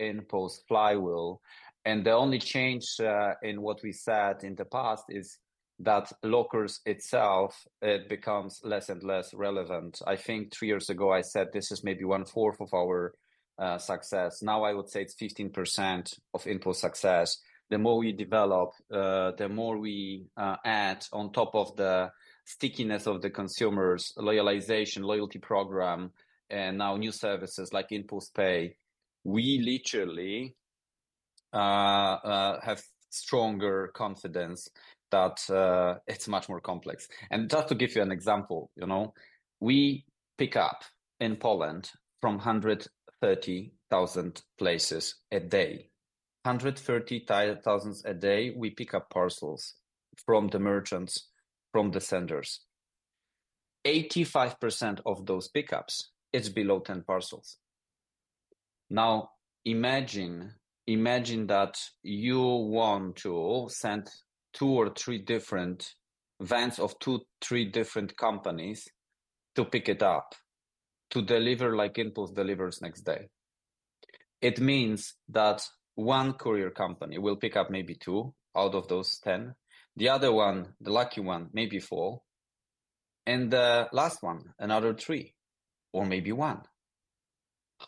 InPost flywheel. The only change in what we said in the past is that lockers itself, it becomes less and less relevant. I think three years ago I said this is maybe 1/4 of our success. Now I would say it's 15% of InPost success. The more we develop, the more we add on top of the stickiness of the consumers, loyalization, loyalty program, and now new services like InPost Pay, we literally have stronger confidence that it's much more complex. Just to give you an example, you know, we pick up in Poland from 130,000 places a day. 130,000 a day, we pick up parcels from the merchants, from the senders. 85% of those pickups, it's below 10 parcels. Now imagine that you want to send two or three different vans of two, three different companies to pick it up, to deliver like InPost delivers next day. It means that one courier company will pick up maybe two out of those 10. The other one, the lucky one, maybe four. The last one, another three or maybe one.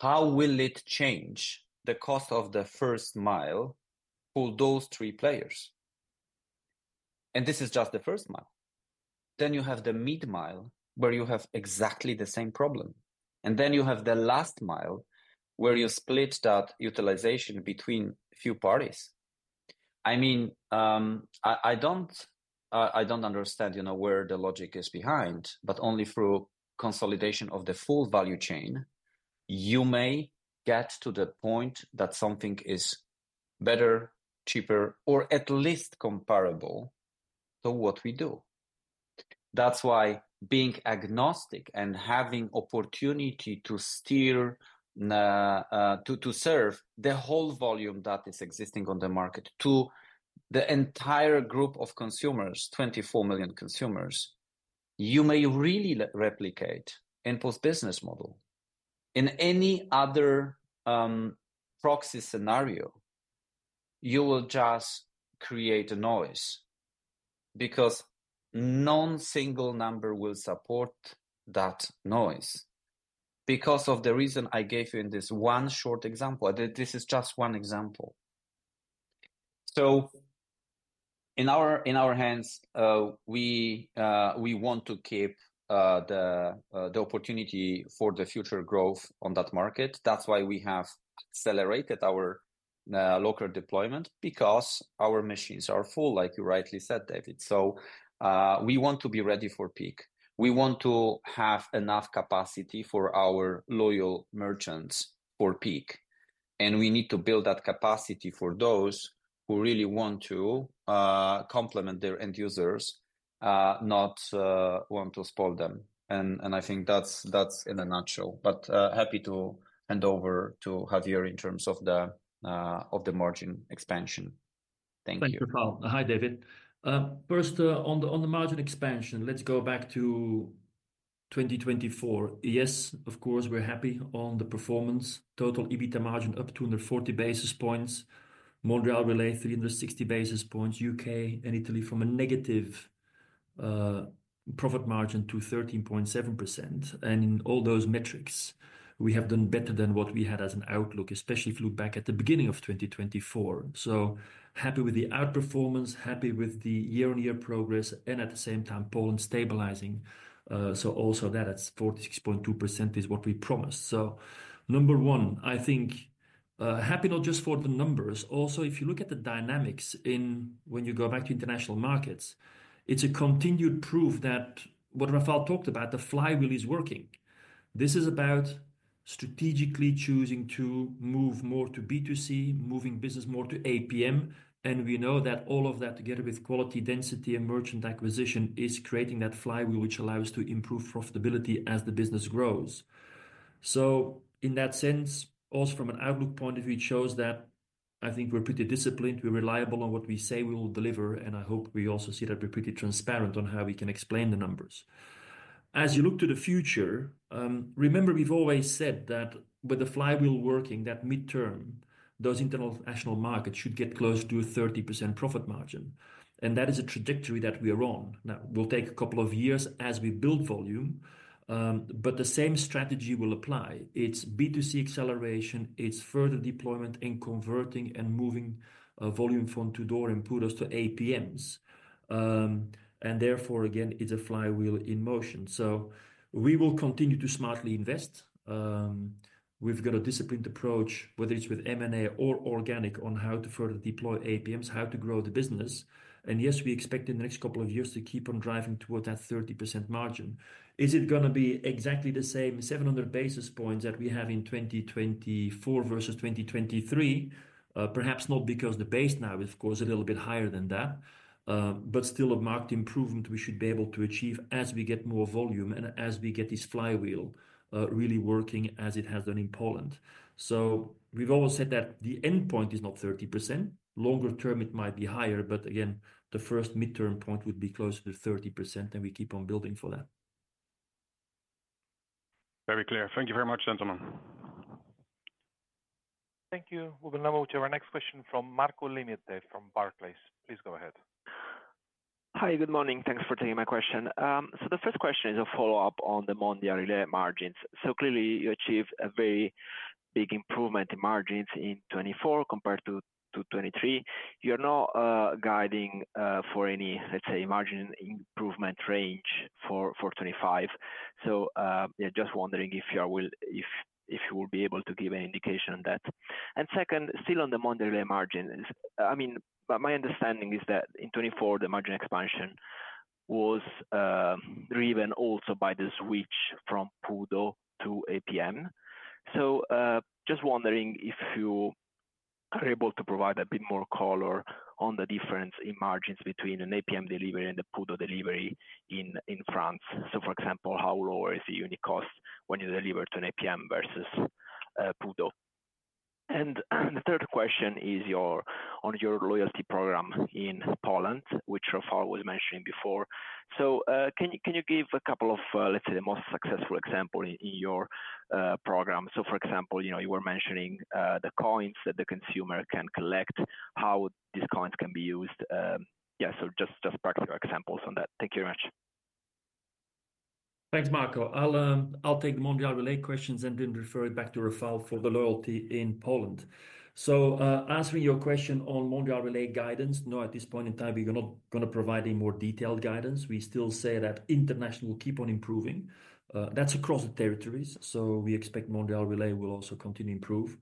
How will it change the cost of the first mile for those three players? This is just the first mile. You have the mid mile where you have exactly the same problem. You have the last mile where you split that utilization between a few parties. I mean, I don't understand, you know, where the logic is behind, but only through consolidation of the full value chain, you may get to the point that something is better, cheaper, or at least comparable to what we do. That's why being agnostic and having opportunity to steer, to serve the whole volume that is existing on the market to the entire group of consumers, 24 million consumers, you may really replicate InPost business model. In any other proxy scenario, you will just create a noise because no single number will support that noise. Because of the reason I gave you in this one short example, this is just one example. In our hands, we want to keep the opportunity for the future growth on that market. That is why we have accelerated our locker deployment because our machines are full, like you rightly said, David. We want to be ready for peak. We want to have enough capacity for our loyal merchants for peak. We need to build that capacity for those who really want to complement their end users, not want to spoil them. I think that is in a nutshell. Happy to hand over to Javier in terms of the margin expansion. Thank you. Thank you, Rafał. Hi, David. First, on the margin expansion, let's go back to 2024. Yes, of course, we are happy on the performance. Total EBITDA margin up 240 basis points. Mondial Relay 360 basis points. U.K. and Italy from a negative profit margin to 13.7%. In all those metrics, we have done better than what we had as an outlook, especially if you look back at the beginning of 2024. Happy with the outperformance, happy with the year-on-year progress, and at the same time, Poland stabilizing. Also, that at 46.2% is what we promised. Number one, I think happy not just for the numbers. Also, if you look at the dynamics in when you go back to international markets, it is a continued proof that what Rafał talked about, the flywheel is working. This is about strategically choosing to move more to B2C, moving business more to APM. We know that all of that together with quality, density, and merchant acquisition is creating that flywheel which allows us to improve profitability as the business grows. In that sense, also from an outlook point of view, it shows that I think we're pretty disciplined. We're reliable on what we say we will deliver. I hope we also see that we're pretty transparent on how we can explain the numbers. As you look to the future, remember we've always said that with the flywheel working, that mid term, those international markets should get close to a 30% profit margin. That is a trajectory that we are on. Now, it'll take a couple of years as we build volume, but the same strategy will apply. It's B2C acceleration, it's further deployment and converting and moving volume from to-door and PUDOs to APMs. Therefore, again, it's a flywheel in motion. We will continue to smartly invest. We've got a disciplined approach, whether it's with M&A or organic on how to further deploy APMs, how to grow the business. Yes, we expect in the next couple of years to keep on driving towards that 30% margin. Is it going to be exactly the same 700 basis points that we have in 2024 versus 2023? Perhaps not because the base now is, of course, a little bit higher than that, but still a marked improvement we should be able to achieve as we get more volume and as we get this flywheel really working as it has done in Poland. We've always said that the end point is not 30%. Longer term, it might be higher, but again, the first mid term point would be closer to 30% and we keep on building for that. Very clear. Thank you very much, gentlemen. Thank you. We will now move to our next question from Marco Limite from Barclays. Please go ahead. Hi, good morning. Thanks for taking my question. The first question is a follow-up on the Mondial Relay margins. Clearly you achieved a very big improvement in margins in 2024 compared to 2023. You are now guiding for any, let's say, margin improvement range for 2025. Just wondering if you will be able to give an indication on that. Second, still on the Mondial Relay margins, I mean, my understanding is that in 2024, the margin expansion was driven also by the switch from PUDO to APM. Just wondering if you are able to provide a bit more color on the difference in margins between an APM delivery and a PUDO delivery in France. For example, how lower is the unit cost when you deliver to an APM versus PUDO. The third question is on your loyalty program in Poland, which Rafał was mentioning before. Can you give a couple of, let's say, the most successful examples in your program? For example, you were mentioning the coins that the consumer can collect, how these coins can be used. Yeah, just practical examples on that. Thank you very much. Thanks, Marco. I'll take the Mondial Relay questions and then refer it back to Rafał for the loyalty in Poland. Answering your question on Mondial Relay guidance, no, at this point in time, we're not going to provide any more detailed guidance. We still say that international will keep on improving. That's across the territories. We expect Mondial Relay will also continue to improve.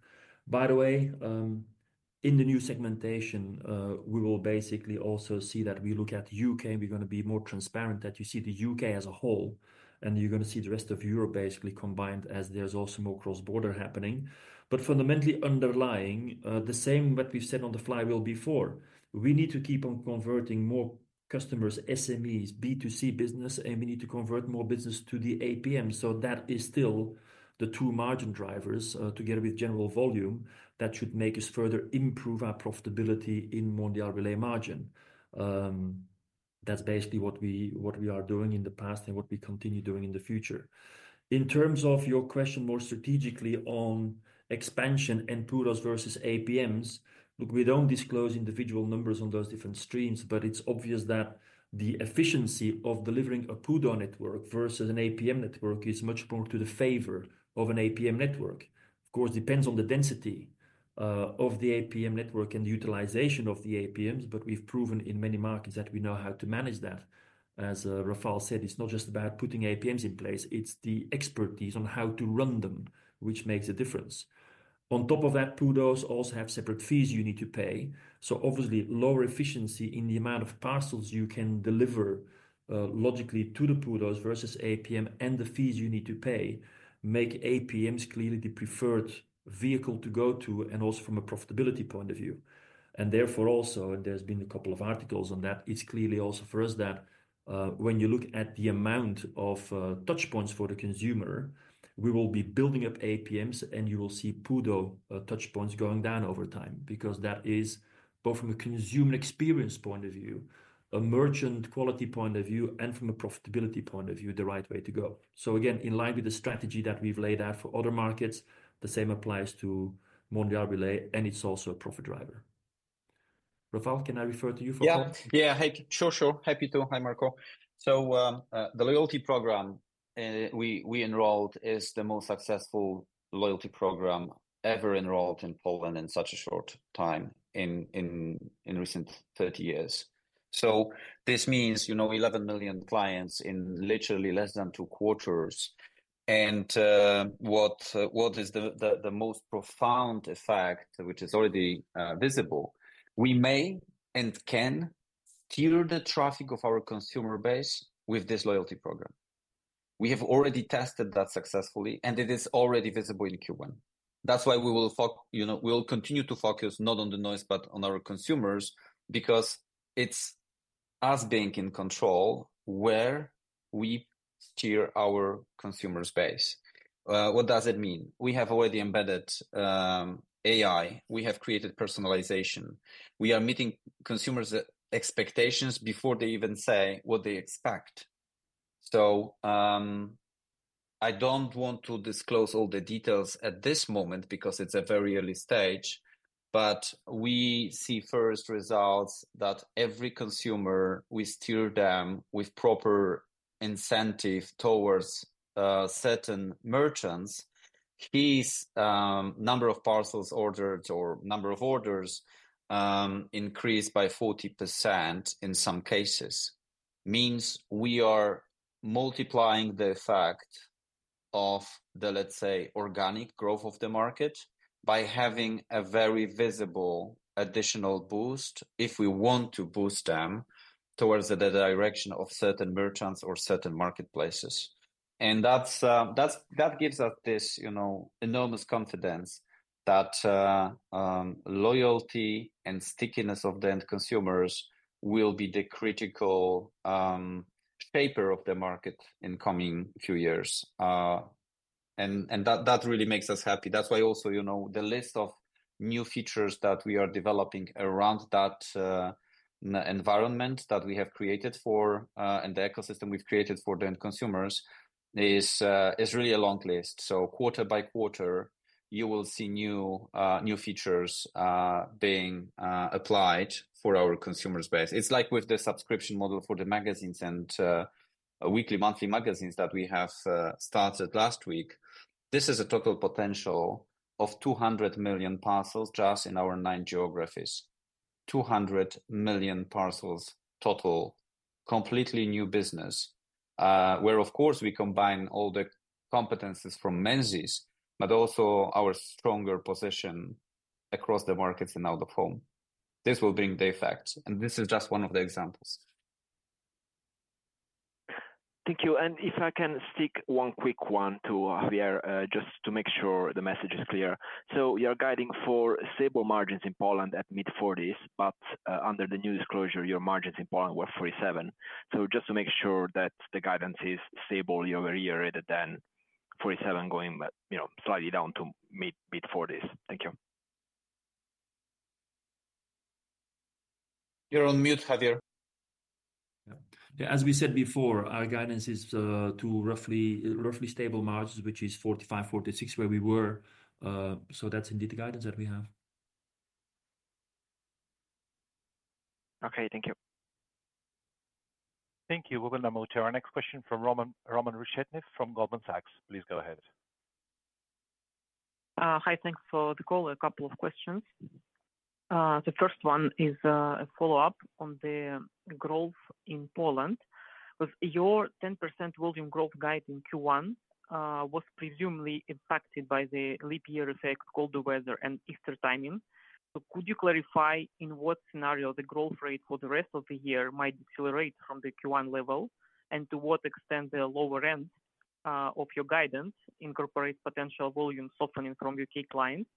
By the way, in the new segmentation, we will basically also see that we look at the U.K. and we're going to be more transparent that you see the U.K. as a whole and you're going to see the rest of Europe basically combined as there's also more cross-border happening. Fundamentally underlying the same what we've said on the flywheel before, we need to keep on converting more customers, SMEs, B2C business, and we need to convert more business to the APM. That is still the two margin drivers together with general volume that should make us further improve our profitability in Mondial Relay margin. That's basically what we are doing in the past and what we continue doing in the future. In terms of your question more strategically on expansion and PUDOs versus APMs, look, we do not disclose individual numbers on those different streams, but it is obvious that the efficiency of delivering a PUDO network versus an APM network is much more to the favor of an APM network. Of course, it depends on the density of the APM network and the utilization of the APMs, but we have proven in many markets that we know how to manage that. As Rafał said, it is not just about putting APMs in place, it is the expertise on how to run them, which makes a difference. On top of that, PUDOs also have separate fees you need to pay. Obviously, lower efficiency in the amount of parcels you can deliver logically to the PUDOs versus APM and the fees you need to pay make APMs clearly the preferred vehicle to go to and also from a profitability point of view. Therefore also, and there's been a couple of articles on that, it's clearly also for us that when you look at the amount of touch points for the consumer, we will be building up APMs and you will see PUDO touch points going down over time because that is both from a consumer experience point of view, a merchant quality point of view, and from a profitability point of view, the right way to go. Again, in line with the strategy that we've laid out for other markets, the same applies to Mondial Relay and it's also a profit driver. Rafał, can I refer to you for a moment? Yeah, yeah, sure, sure. Happy to. Hi, Marco. The loyalty program we enrolled is the most successful loyalty program ever enrolled in Poland in such a short time in recent 30 years. This means, you know, 11 million clients in literally less than two quarters. What is the most profound effect, which is already visible, we may and can steer the traffic of our consumer base with this loyalty program. We have already tested that successfully and it is already visible in Q1. That is why we will continue to focus not on the noise, but on our consumers because it is us being in control where we steer our consumer space. What does it mean? We have already embedded AI. We have created personalization. We are meeting consumers' expectations before they even say what they expect. I do not want to disclose all the details at this moment because it is a very early stage, but we see first results that every consumer, we steer them with proper incentive towards certain merchants, his number of parcels ordered or number of orders increased by 40% in some cases. It means we are multiplying the effect of the, let's say, organic growth of the market by having a very visible additional boost if we want to boost them towards the direction of certain merchants or certain marketplaces. That gives us this, you know, enormous confidence that loyalty and stickiness of the end consumers will be the critical shaper of the market in the coming few years. That really makes us happy. That's why also, you know, the list of new features that we are developing around that environment that we have created for and the ecosystem we've created for the end consumers is really a long list. Quarter by quarter, you will see new features being applied for our consumers' base. It's like with the subscription model for the magazines and weekly monthly magazines that we have started last week. This is a total potential of 200 million parcels just in our nine geographies. 200 million parcels total, completely new business, where of course we combine all the competencies from Menzies, but also our stronger position across the markets and out of home. This will bring the effect. This is just one of the examples. Thank you. If I can stick one quick one to Javier just to make sure the message is clear. You're guiding for stable margins in Poland at mid 40s, but under the new disclosure, your margins in Poland were 47. Just to make sure that the guidance is stable year-over-year rather than 47 going, you know, slightly down to mid 40s. Thank you. You're on mute, Javier. As we said before, our guidance is to roughly stable margins, which is 45-46 where we were. That's indeed the guidance that we have. Okay, thank you. Thank you. We will now move to our next question from Roman Reshetnev from Goldman Sachs. Please go ahead. Hi, thanks for the call. A couple of questions. The first one is a follow-up on the growth in Poland. Your 10% volume growth guide in Q1 was presumably impacted by the leap year effect, colder weather, and Easter timing. Could you clarify in what scenario the growth rate for the rest of the year might decelerate from the Q1 level and to what extent the lower end of your guidance incorporates potential volume softening from U.K. clients?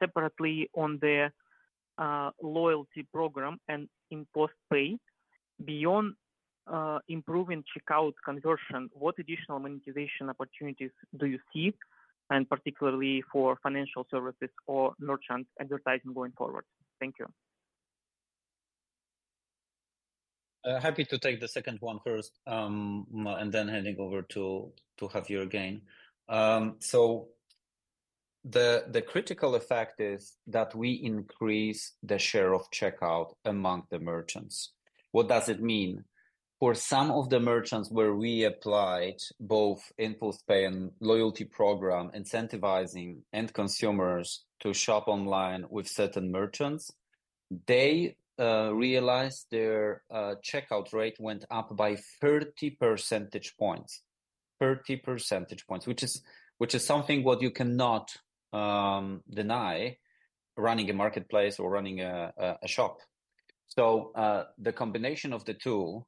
Separately, on the loyalty program and InPost Pay, beyond improving checkout conversion, what additional monetization opportunities do you see? Particularly for financial services or merchant advertising going forward. Thank you. Happy to take the second one first and then handing over to Javier again. The critical effect is that we increase the share of checkout among the merchants. What does it mean? For some of the merchants where we applied both InPost Pay and loyalty program incentivizing end consumers to shop online with certain merchants, they realized their checkout rate went up by 30 percentage points. 30 percentage points, which is something what you cannot deny running a marketplace or running a shop. The combination of the two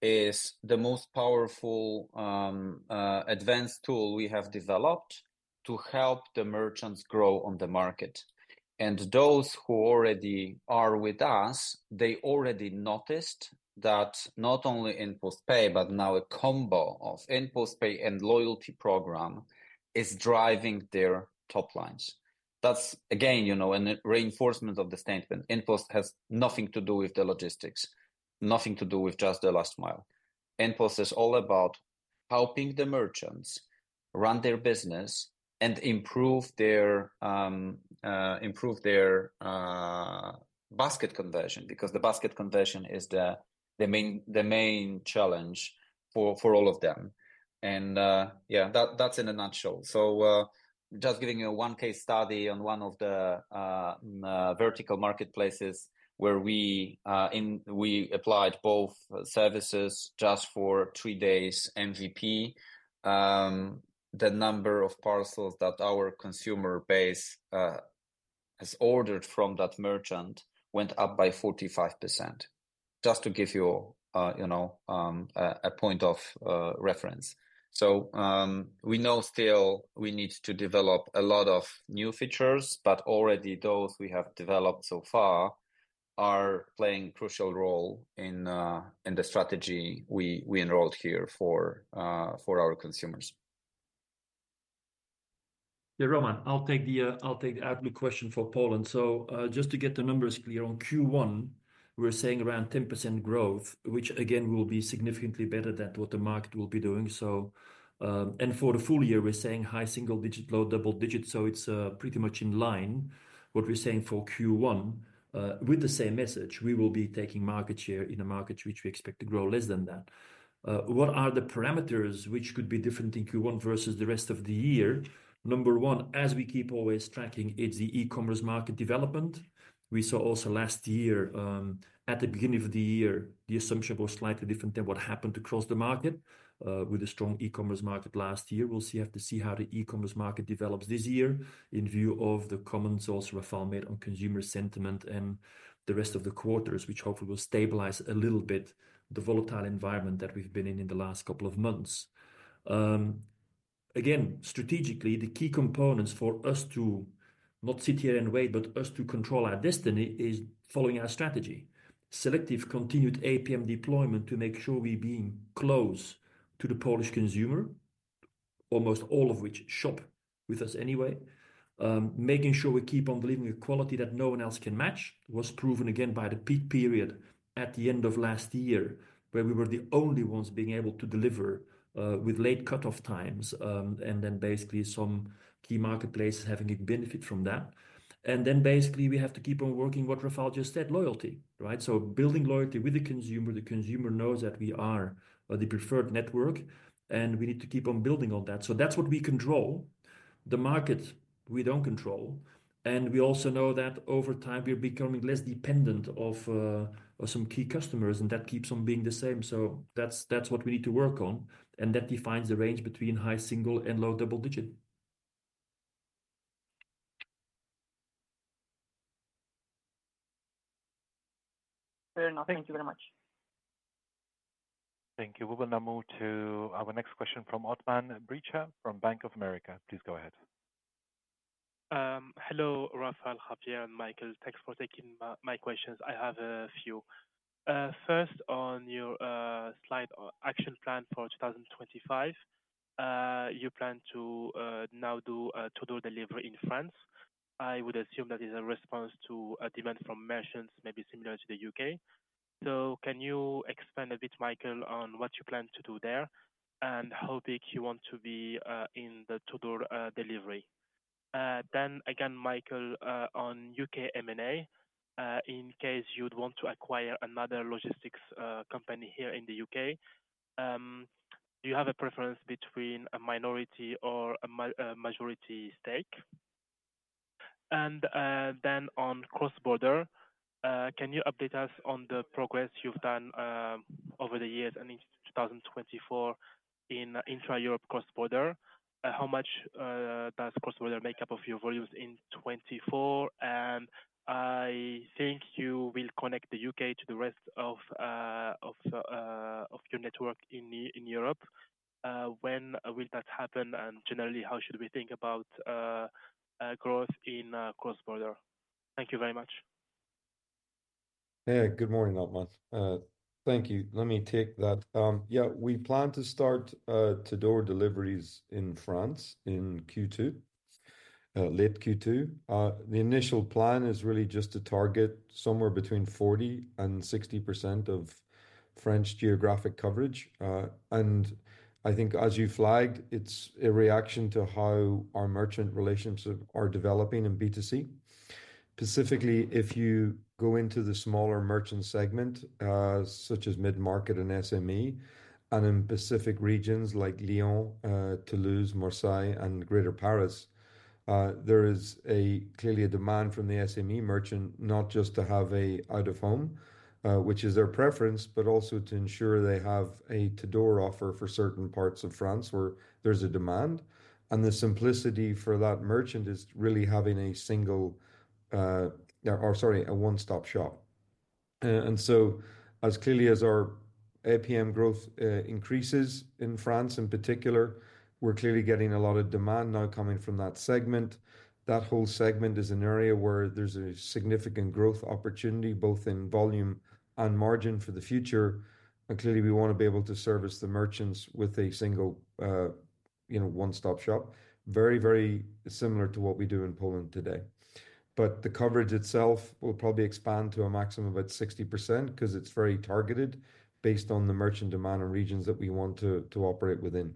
is the most powerful advanced tool we have developed to help the merchants grow on the market. Those who already are with us, they already noticed that not only InPost Pay, but now a combo of InPost Pay and loyalty program is driving their top lines. That's again, you know, a reinforcement of the statement. InPost has nothing to do with the logistics, nothing to do with just the last mile. InPost is all about helping the merchants run their business and improve their basket conversion because the basket conversion is the main challenge for all of them. Yeah, that's in a nutshell. Just giving you a case study on one of the vertical marketplaces where we applied both services just for three days MVP, the number of parcels that our consumer base has ordered from that merchant went up by 45%. Just to give you, you know, a point of reference. We know still we need to develop a lot of new features, but already those we have developed so far are playing a crucial role in the strategy we enrolled here for our consumers. Yeah, Roman, I'll take the outlook question for Poland. Just to get the numbers clear on Q1, we're saying around 10% growth, which again will be significantly better than what the market will be doing. For the full year, we're saying high single digit, low double digit. It is pretty much in line with what we're saying for Q1 with the same message. We will be taking market share in a market which we expect to grow less than that. What are the parameters which could be different in Q1 versus the rest of the year? Number one, as we keep always tracking, it's the e-commerce market development. We saw also last year at the beginning of the year, the assumption was slightly different than what happened across the market with a strong e-commerce market last year. We'll have to see how the e-commerce market develops this year in view of the comments also Rafał made on consumer sentiment and the rest of the quarters, which hopefully will stabilize a little bit the volatile environment that we've been in in the last couple of months. Again, strategically, the key components for us to not sit here and wait, but us to control our destiny is following our strategy. Selective continued APM deployment to make sure we're being close to the Polish consumer, almost all of which shop with us anyway. Making sure we keep on delivering a quality that no one else can match was proven again by the peak period at the end of last year where we were the only ones being able to deliver with late cutoff times and then basically some key marketplaces having a benefit from that. We have to keep on working what Rafał just said, loyalty, right? Building loyalty with the consumer, the consumer knows that we are the preferred network and we need to keep on building on that. That's what we control. The market we don't control. We also know that over time we are becoming less dependent on some key customers and that keeps on being the same. That's what we need to work on. That defines the range between high single and low double digit. Fair enough. Thank you very much. Thank you. We will now move to our next question from Othmane Bricha from Bank of America. Please go ahead. Hello, Rafał, Javier, and Michael. Thanks for taking my questions. I have a few. First, on your slide or action plan for 2025, you plan to now do a [to-door] delivery in France. I would assume that is a response to a demand from merchants, maybe similar to the U.K.. Can you expand a bit, Michael, on what you plan to do there and how big you want to be in the [to-door] delivery? Again, Michael, on U.K. M&A, in case you'd want to acquire another logistics company here in the U.K., do you have a preference between a minority or a majority stake? On cross-border, can you update us on the progress you've done over the years and in 2024 in intra-Europe cross-border? How much does cross-border make up of your volumes in 2024? I think you will connect the U.K. to the rest of your network in Europe. When will that happen? Generally, how should we think about growth in cross-border? Thank you very much. Yeah, good morning, Othmane. Thank you. Let me take that. Yeah, we plan to start [to-door]dor deliveries in France in Q2, late Q2. The initial plan is really just to target somewhere between 40% and 60% of French geographic coverage. I think as you flagged, it's a reaction to how our merchant relationships are developing in B2C. Specifically, if you go into the smaller merchant segment, such as mid-market and SME, and in specific regions like Lyon, Toulouse, Marseille, and Greater Paris, there is clearly a demand from the SME merchant not just to have an out-of-home, which is their preference, but also to ensure they have a [to-door] offer for certain parts of France where there's a demand. The simplicity for that merchant is really having a single, or sorry, a one-stop shop. As clearly as our APM growth increases in France in particular, we're clearly getting a lot of demand now coming from that segment. That whole segment is an area where there's a significant growth opportunity both in volume and margin for the future. Clearly, we want to be able to service the merchants with a single, you know, one-stop shop, very, very similar to what we do in Poland today. The coverage itself will probably expand to a maximum of about 60% because it is very targeted based on the merchant demand and regions that we want to operate within.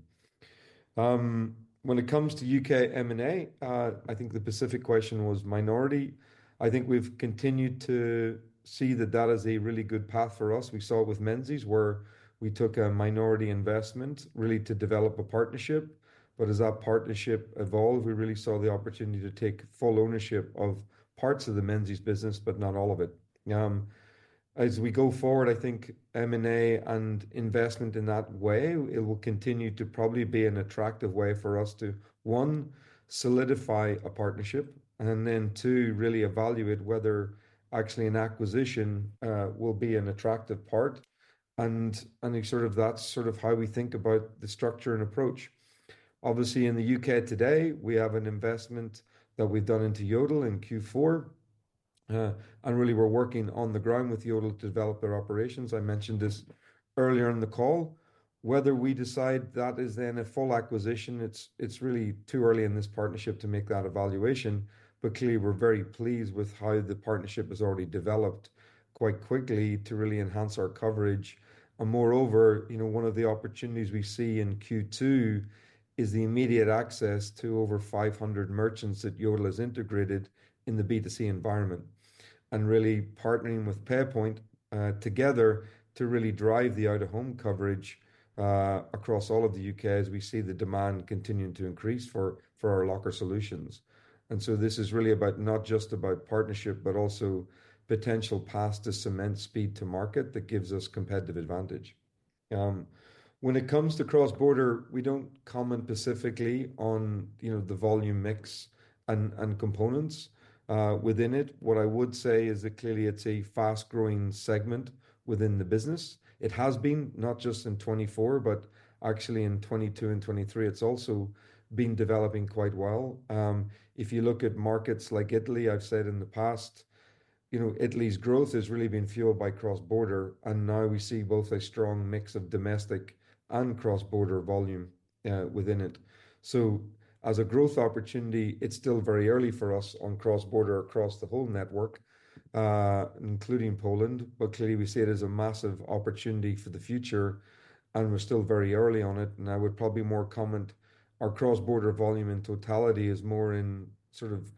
When it comes to U.K. M&A, I think the specific question was minority. I think we have continued to see that that is a really good path for us. We saw it with Menzies where we took a minority investment really to develop a partnership. As that partnership evolved, we really saw the opportunity to take full ownership of parts of the Menzies business, but not all of it. As we go forward, I think M&A and investment in that way, it will continue to probably be an attractive way for us to, one, solidify a partnership, and then two, really evaluate whether actually an acquisition will be an attractive part. That is sort of how we think about the structure and approach. Obviously, in the U.K. today, we have an investment that we've done into Yodel in Q4. Really, we're working on the ground with Yodel to develop their operations. I mentioned this earlier in the call. Whether we decide that is then a full acquisition, it's really too early in this partnership to make that evaluation. Clearly, we're very pleased with how the partnership has already developed quite quickly to really enhance our coverage. Moreover, you know, one of the opportunities we see in Q2 is the immediate access to over 500 merchants that Yodel has integrated in the B2C environment. Really partnering with PayPoint together to really drive the out-of-home coverage across all of the U.K. as we see the demand continuing to increase for our locker solutions. This is really about not just about partnership, but also potential paths to cement speed to market that gives us competitive advantage. When it comes to cross-border, we do not comment specifically on, you know, the volume mix and components within it. What I would say is that clearly it is a fast-growing segment within the business. It has been not just in 2024, but actually in 2022 and 2023, it has also been developing quite well. If you look at markets like Italy, I've said in the past, you know, Italy's growth has really been fueled by cross-border. Now we see both a strong mix of domestic and cross-border volume within it. As a growth opportunity, it's still very early for us on cross-border across the whole network, including Poland. Clearly, we see it as a massive opportunity for the future. We're still very early on it. I would probably more comment our cross-border volume in totality is more in sort of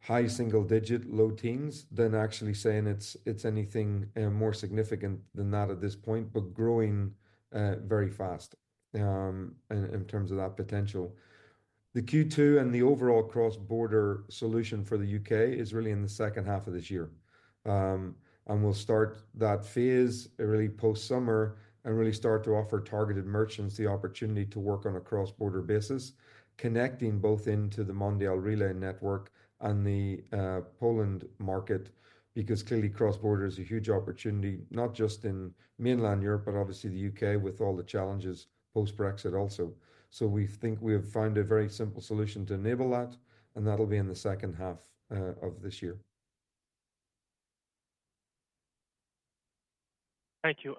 high single digit, low teens than actually saying it's anything more significant than that at this point, but growing very fast in terms of that potential. The Q2 and the overall cross-border solution for the U.K. is really in the second half of this year. We'll start that phase early post-summer and really start to offer targeted merchants the opportunity to work on a cross-border basis, connecting both into the Mondial Relay network and the Poland market because clearly cross-border is a huge opportunity, not just in mainland Europe, but obviously the U.K. with all the challenges post-Brexit also. We think we have found a very simple solution to enable that, and that'll be in the second half of this year. Thank you.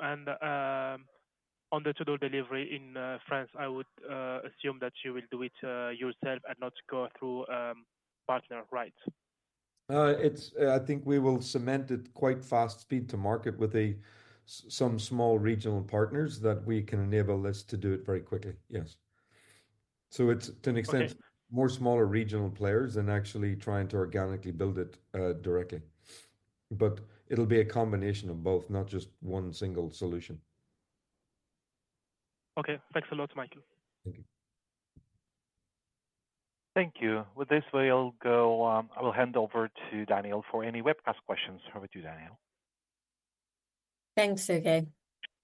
On the [to-door] delivery in France, I would assume that you will do it yourself and not go through partner, right? I think we will cement it quite fast speed to market with some small regional partners that we can enable us to do it very quickly, yes. It's to an extent more smaller regional players than actually trying to organically build it directly. It will be a combination of both, not just one single solution. Okay, thanks a lot, Michael. Thank you. Thank you. With this, we will go, I will hand over to Daniel for any webcast questions. Over to you, Daniel. Thanks, Sergei.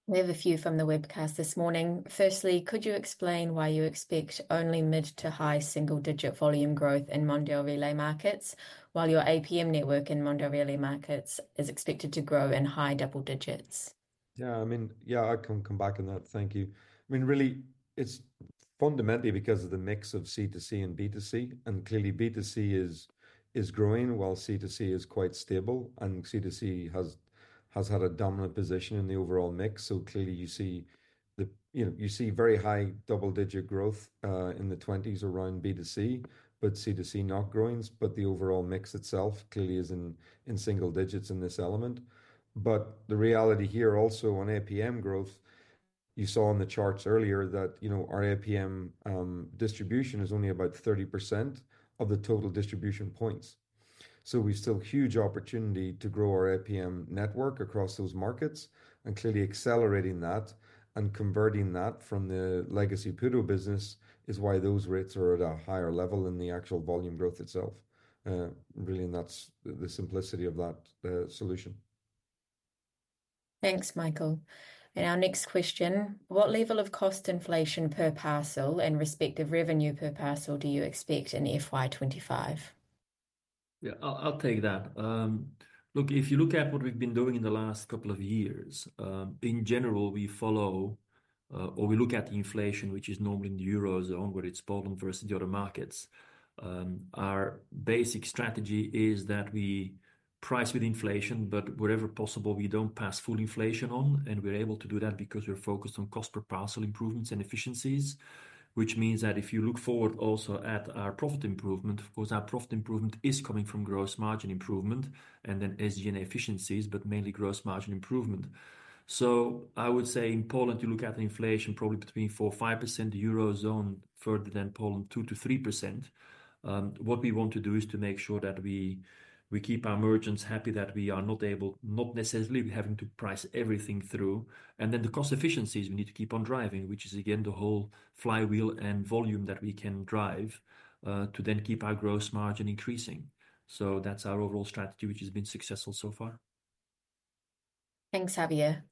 We have a few from the webcast this morning. Firstly, could you explain why you expect only mid to high single-digit volume growth in Mondial Relay markets while your APM network in Mondial Relay markets is expected to grow in high double digits? Yeah, I mean, yeah, I can come back on that. Thank you. I mean, really, it is fundamentally because of the mix of C2C and B2C. Clearly, B2C is growing while C2C is quite stable. C2C has had a dominant position in the overall mix. Clearly, you see the, you know, you see very high double-digit growth in the 20s around B2C, but C2C not growing, but the overall mix itself clearly is in single digits in this element. The reality here also on APM growth, you saw on the charts earlier that, you know, our APM distribution is only about 30% of the total distribution points. We still have a huge opportunity to grow our APM network across those markets and clearly accelerating that and converting that from the legacy PUDO business is why those rates are at a higher level than the actual volume growth itself. Really, and that's the simplicity of that solution. Thanks, Michael. Our next question, what level of cost inflation per parcel and respective revenue per parcel do you expect in FY 2025? Yeah, I'll take that. Look, if you look at what we've been doing in the last couple of years, in general, we follow or we look at inflation, which is normally in the eurozone where it's Poland versus the other markets. Our basic strategy is that we price with inflation, but wherever possible, we don't pass full inflation on. We're able to do that because we're focused on cost per parcel improvements and efficiencies, which means that if you look forward also at our profit improvement, of course, our profit improvement is coming from gross margin improvement and then SG&A efficiencies, but mainly gross margin improvement. I would say in Poland, you look at inflation probably between 4%, 5%, the eurozone further than Poland, 2%-3%. What we want to do is to make sure that we keep our merchants happy that we are not able, not necessarily having to price everything through. The cost efficiencies we need to keep on driving, which is again the whole flywheel and volume that we can drive to then keep our gross margin increasing. That is our overall strategy, which has been successful so far. Thanks, Javier.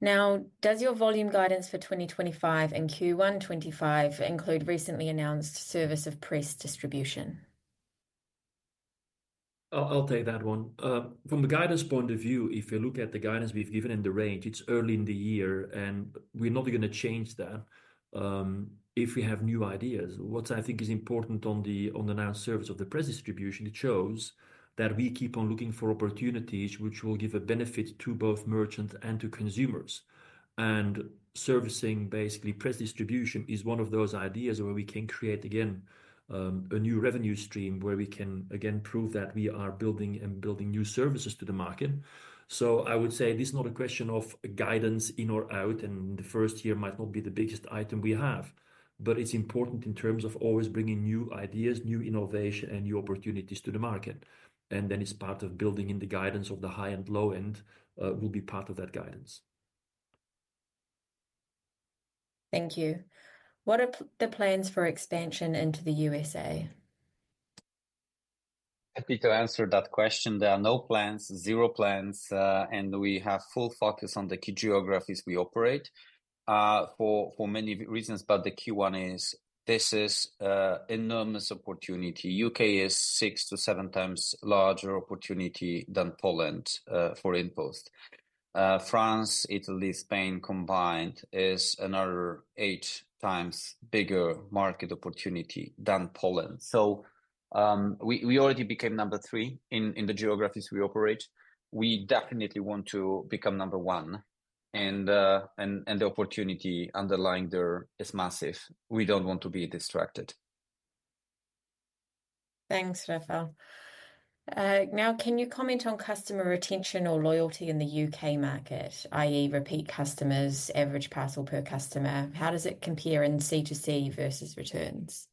Now, does your volume guidance for 2025 and Q1 2025 include recently announced service of press distribution? I'll take that one. From the guidance point of view, if you look at the guidance we have given in the range, it is early in the year and we are not going to change that if we have new ideas. What I think is important on the announced service of the press distribution, it shows that we keep on looking for opportunities which will give a benefit to both merchants and to consumers. Servicing basically press distribution is one of those ideas where we can create again a new revenue stream where we can again prove that we are building and building new services to the market. I would say this is not a question of guidance in or out and the first year might not be the biggest item we have, but it's important in terms of always bringing new ideas, new innovation, and new opportunities to the market. It is part of building in the guidance of the high and low end will be part of that guidance. Thank you. What are the plans for expansion into the USA? Happy to answer that question. There are no plans, zero plans, and we have full focus on the key geographies we operate for many reasons, but the Q1 is this is an enormous opportunity. U.K. is six to seven times larger opportunity than Poland for InPost. France, Italy, Spain combined is another eight times bigger market opportunity than Poland. We already became number three in the geographies we operate. We definitely want to become number one. The opportunity underlying there is massive. We do not want to be distracted. Thanks, Rafał. Now, can you comment on customer retention or loyalty in the U.K. market, i.e., repeat customers, average parcel per customer? How does it compare in C2C versus returns?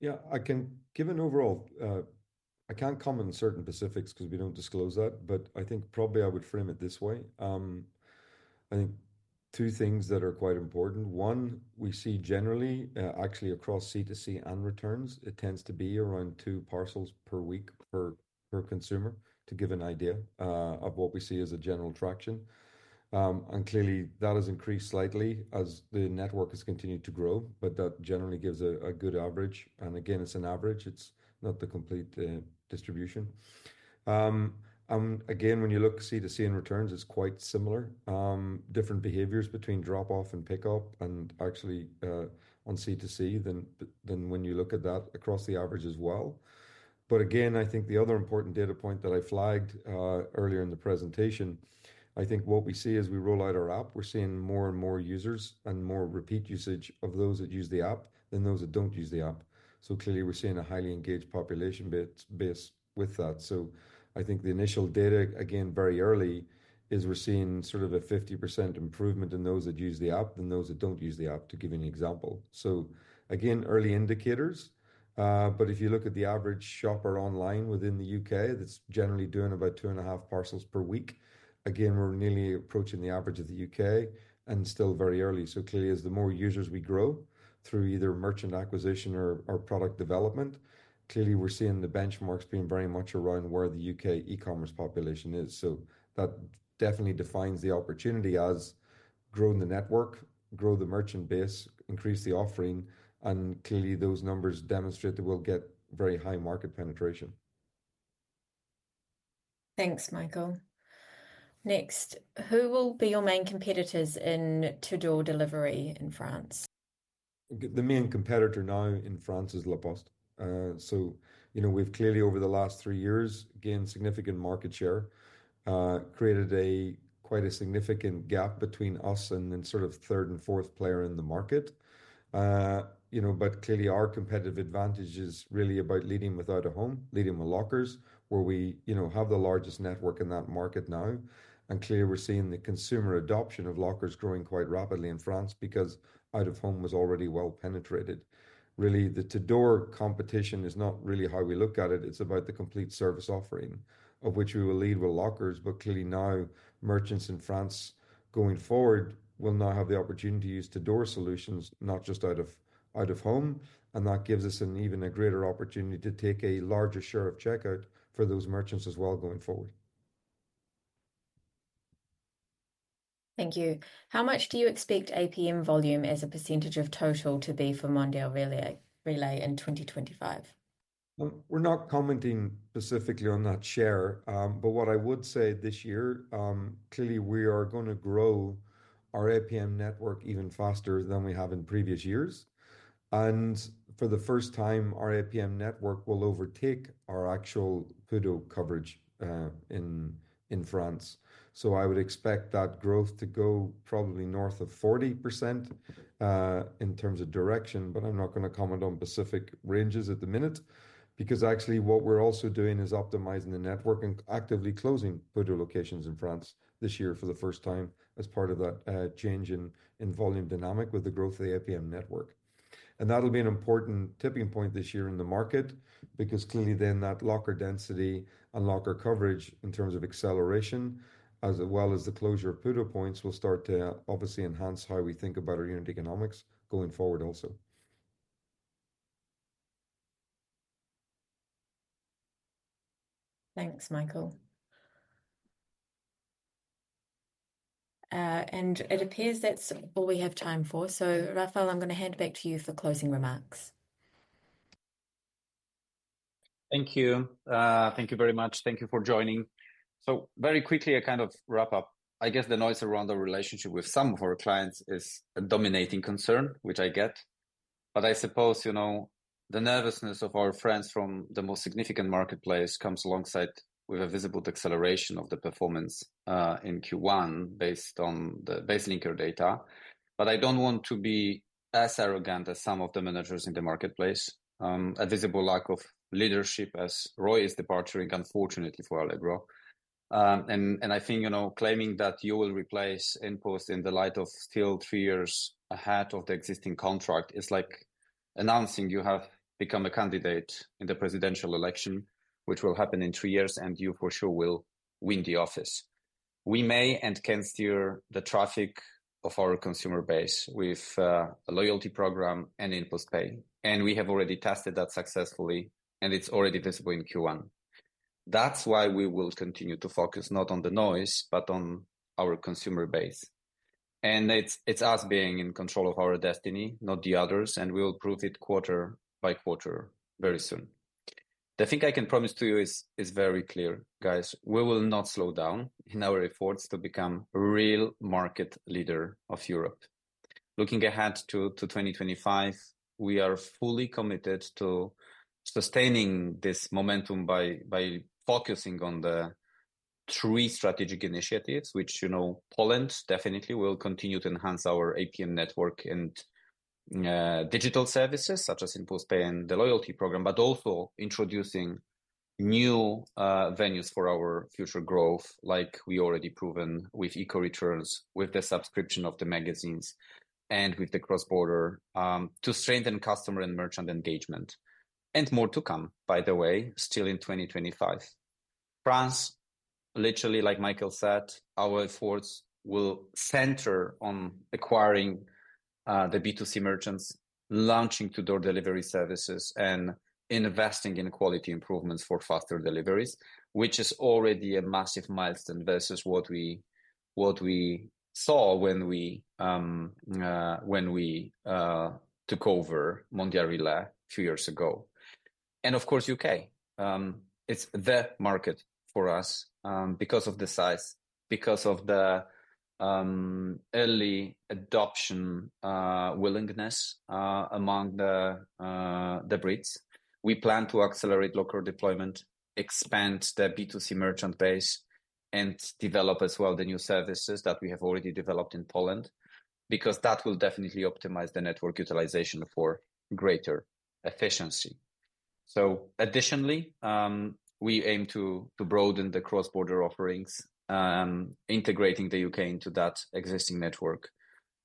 Yeah, I can give an overall, I cannot comment on certain specifics because we do not disclose that, but I think probably I would frame it this way. I think two things that are quite important. One, we see generally, actually across C2C and returns, it tends to be around two parcels per week per consumer to give an idea of what we see as a general traction. Clearly, that has increased slightly as the network has continued to grow, but that generally gives a good average. Again, it is an average. It is not the complete distribution. Again, when you look C2C and returns, it is quite similar. Different behaviors between drop-off and pickup and actually on C2C than when you look at that across the average as well. Again, I think the other important data point that I flagged earlier in the presentation, I think what we see as we roll out our app, we are seeing more and more users and more repeat usage of those that use the app than those that do not use the app. Clearly, we're seeing a highly engaged population base with that. I think the initial data, again, very early, is we're seeing sort of a 50% improvement in those that use the app than those that do not use the app, to give an example. Again, early indicators. If you look at the average shopper online within the U.K., that's generally doing about two and a half parcels per week. We're nearly approaching the average of the U.K. and still very early. As the more users we grow through either merchant acquisition or product development, we're seeing the benchmarks being very much around where the U.K. e-commerce population is. That definitely defines the opportunity as growing the network, grow the merchant base, increase the offering, and those numbers demonstrate that we'll get very high market penetration. Thanks, Michael. Next, who will be your main competitors in [to-door] delivery in France? The main competitor now in France is La Poste. You know, we've clearly over the last three years, gained significant market share, created quite a significant gap between us and then sort of third and fourth player in the market. You know, but clearly our competitive advantage is really about leading with out of home, leading with lockers, where we, you know, have the largest network in that market now. Clearly we're seeing the consumer adoption of lockers growing quite rapidly in France because out of home was already well penetrated. Really, the [to-door] competition is not really how we look at it. It's about the complete service offering of which we will lead with lockers, but clearly now merchants in France going forward will now have the opportunity to use [to-door] solutions, not just out of home. That gives us an even greater opportunity to take a larger share of checkout for those merchants as well going forward. Thank you. How much do you expect APM volume as a percentage of total to be for Mondial Relay in 2025? We're not commenting specifically on that share, but what I would say this year, clearly we are going to grow our APM network even faster than we have in previous years. For the first time, our APM network will overtake our actual PUDO coverage in France. I would expect that growth to go probably north of 40% in terms of direction, but I'm not going to comment on specific ranges at the minute because actually what we're also doing is optimizing the network and actively closing PUDO locations in France this year for the first time as part of that change in volume dynamic with the growth of the APM network. That will be an important tipping point this year in the market because clearly then that locker density and locker coverage in terms of acceleration, as well as the closure of PUDO points, will start to obviously enhance how we think about our unit economics going forward also. Thanks, Michael. It appears that's all we have time for. Rafał, I'm going to hand back to you for closing remarks. Thank you. Thank you very much. Thank you for joining. Very quickly, I kind of wrap up. I guess the noise around the relationship with some of our clients is a dominating concern, which I get. I suppose you know the nervousness of our friends from the most significant marketplace comes alongside with a visible acceleration of the performance in Q1 based on the BaseLinker data. I do not want to be as arrogant as some of the managers in the marketplace, a visible lack of leadership as Roy is departing, unfortunately for Allegro. I think you know claiming that you will replace InPost in the light of still three years ahead of the existing contract is like announcing you have become a candidate in the presidential election, which will happen in three years and you for sure will win the office. We may and can steer the traffic of our consumer base with a loyalty program and InPost Pay. We have already tested that successfully and it is already visible in Q1. That is why we will continue to focus not on the noise, but on our consumer base. It is us being in control of our destiny, not the others, and we will prove it quarter by quarter very soon. The thing I can promise to you is very clear, guys. We will not slow down in our efforts to become a real market leader of Europe. Looking ahead to 2025, we are fully committed to sustaining this momentum by focusing on the three strategic initiatives, which you know Poland definitely will continue to enhance our APM network and digital services such as InPost Pay and the loyalty program, but also introducing new venues for our future growth, like we already proven with eco returns, with the subscription of the magazines and with the cross-border to strengthen customer and merchant engagement. More to come, by the way, still in 2025. France, literally like Michael said, our efforts will center on acquiring the B2C merchants, launching [to-door] delivery services and investing in quality improvements for faster deliveries, which is already a massive milestone versus what we saw when we took over Mondial Relay a few years ago. Of course, U.K., it's the market for us because of the size, because of the early adoption willingness among the Brits. We plan to accelerate locker deployment, expand the B2C merchant base, and develop as well the new services that we have already developed in Poland because that will definitely optimize the network utilization for greater efficiency. Additionally, we aim to broaden the cross-border offerings, integrating the U.K. into that existing network.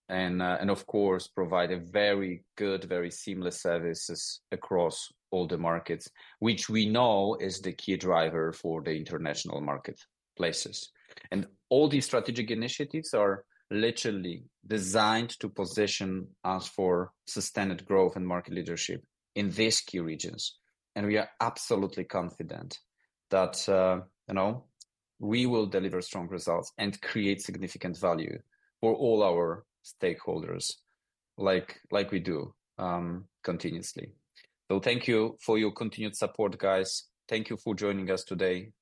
Of course, provide very good, very seamless services across all the markets, which we know is the key driver for the international marketplaces. All these strategic initiatives are literally designed to position us for sustained growth and market leadership in these key regions. We are absolutely confident that you know we will deliver strong results and create significant value for all our stakeholders like we do continuously. Thank you for your continued support, guys. Thank you for joining us today.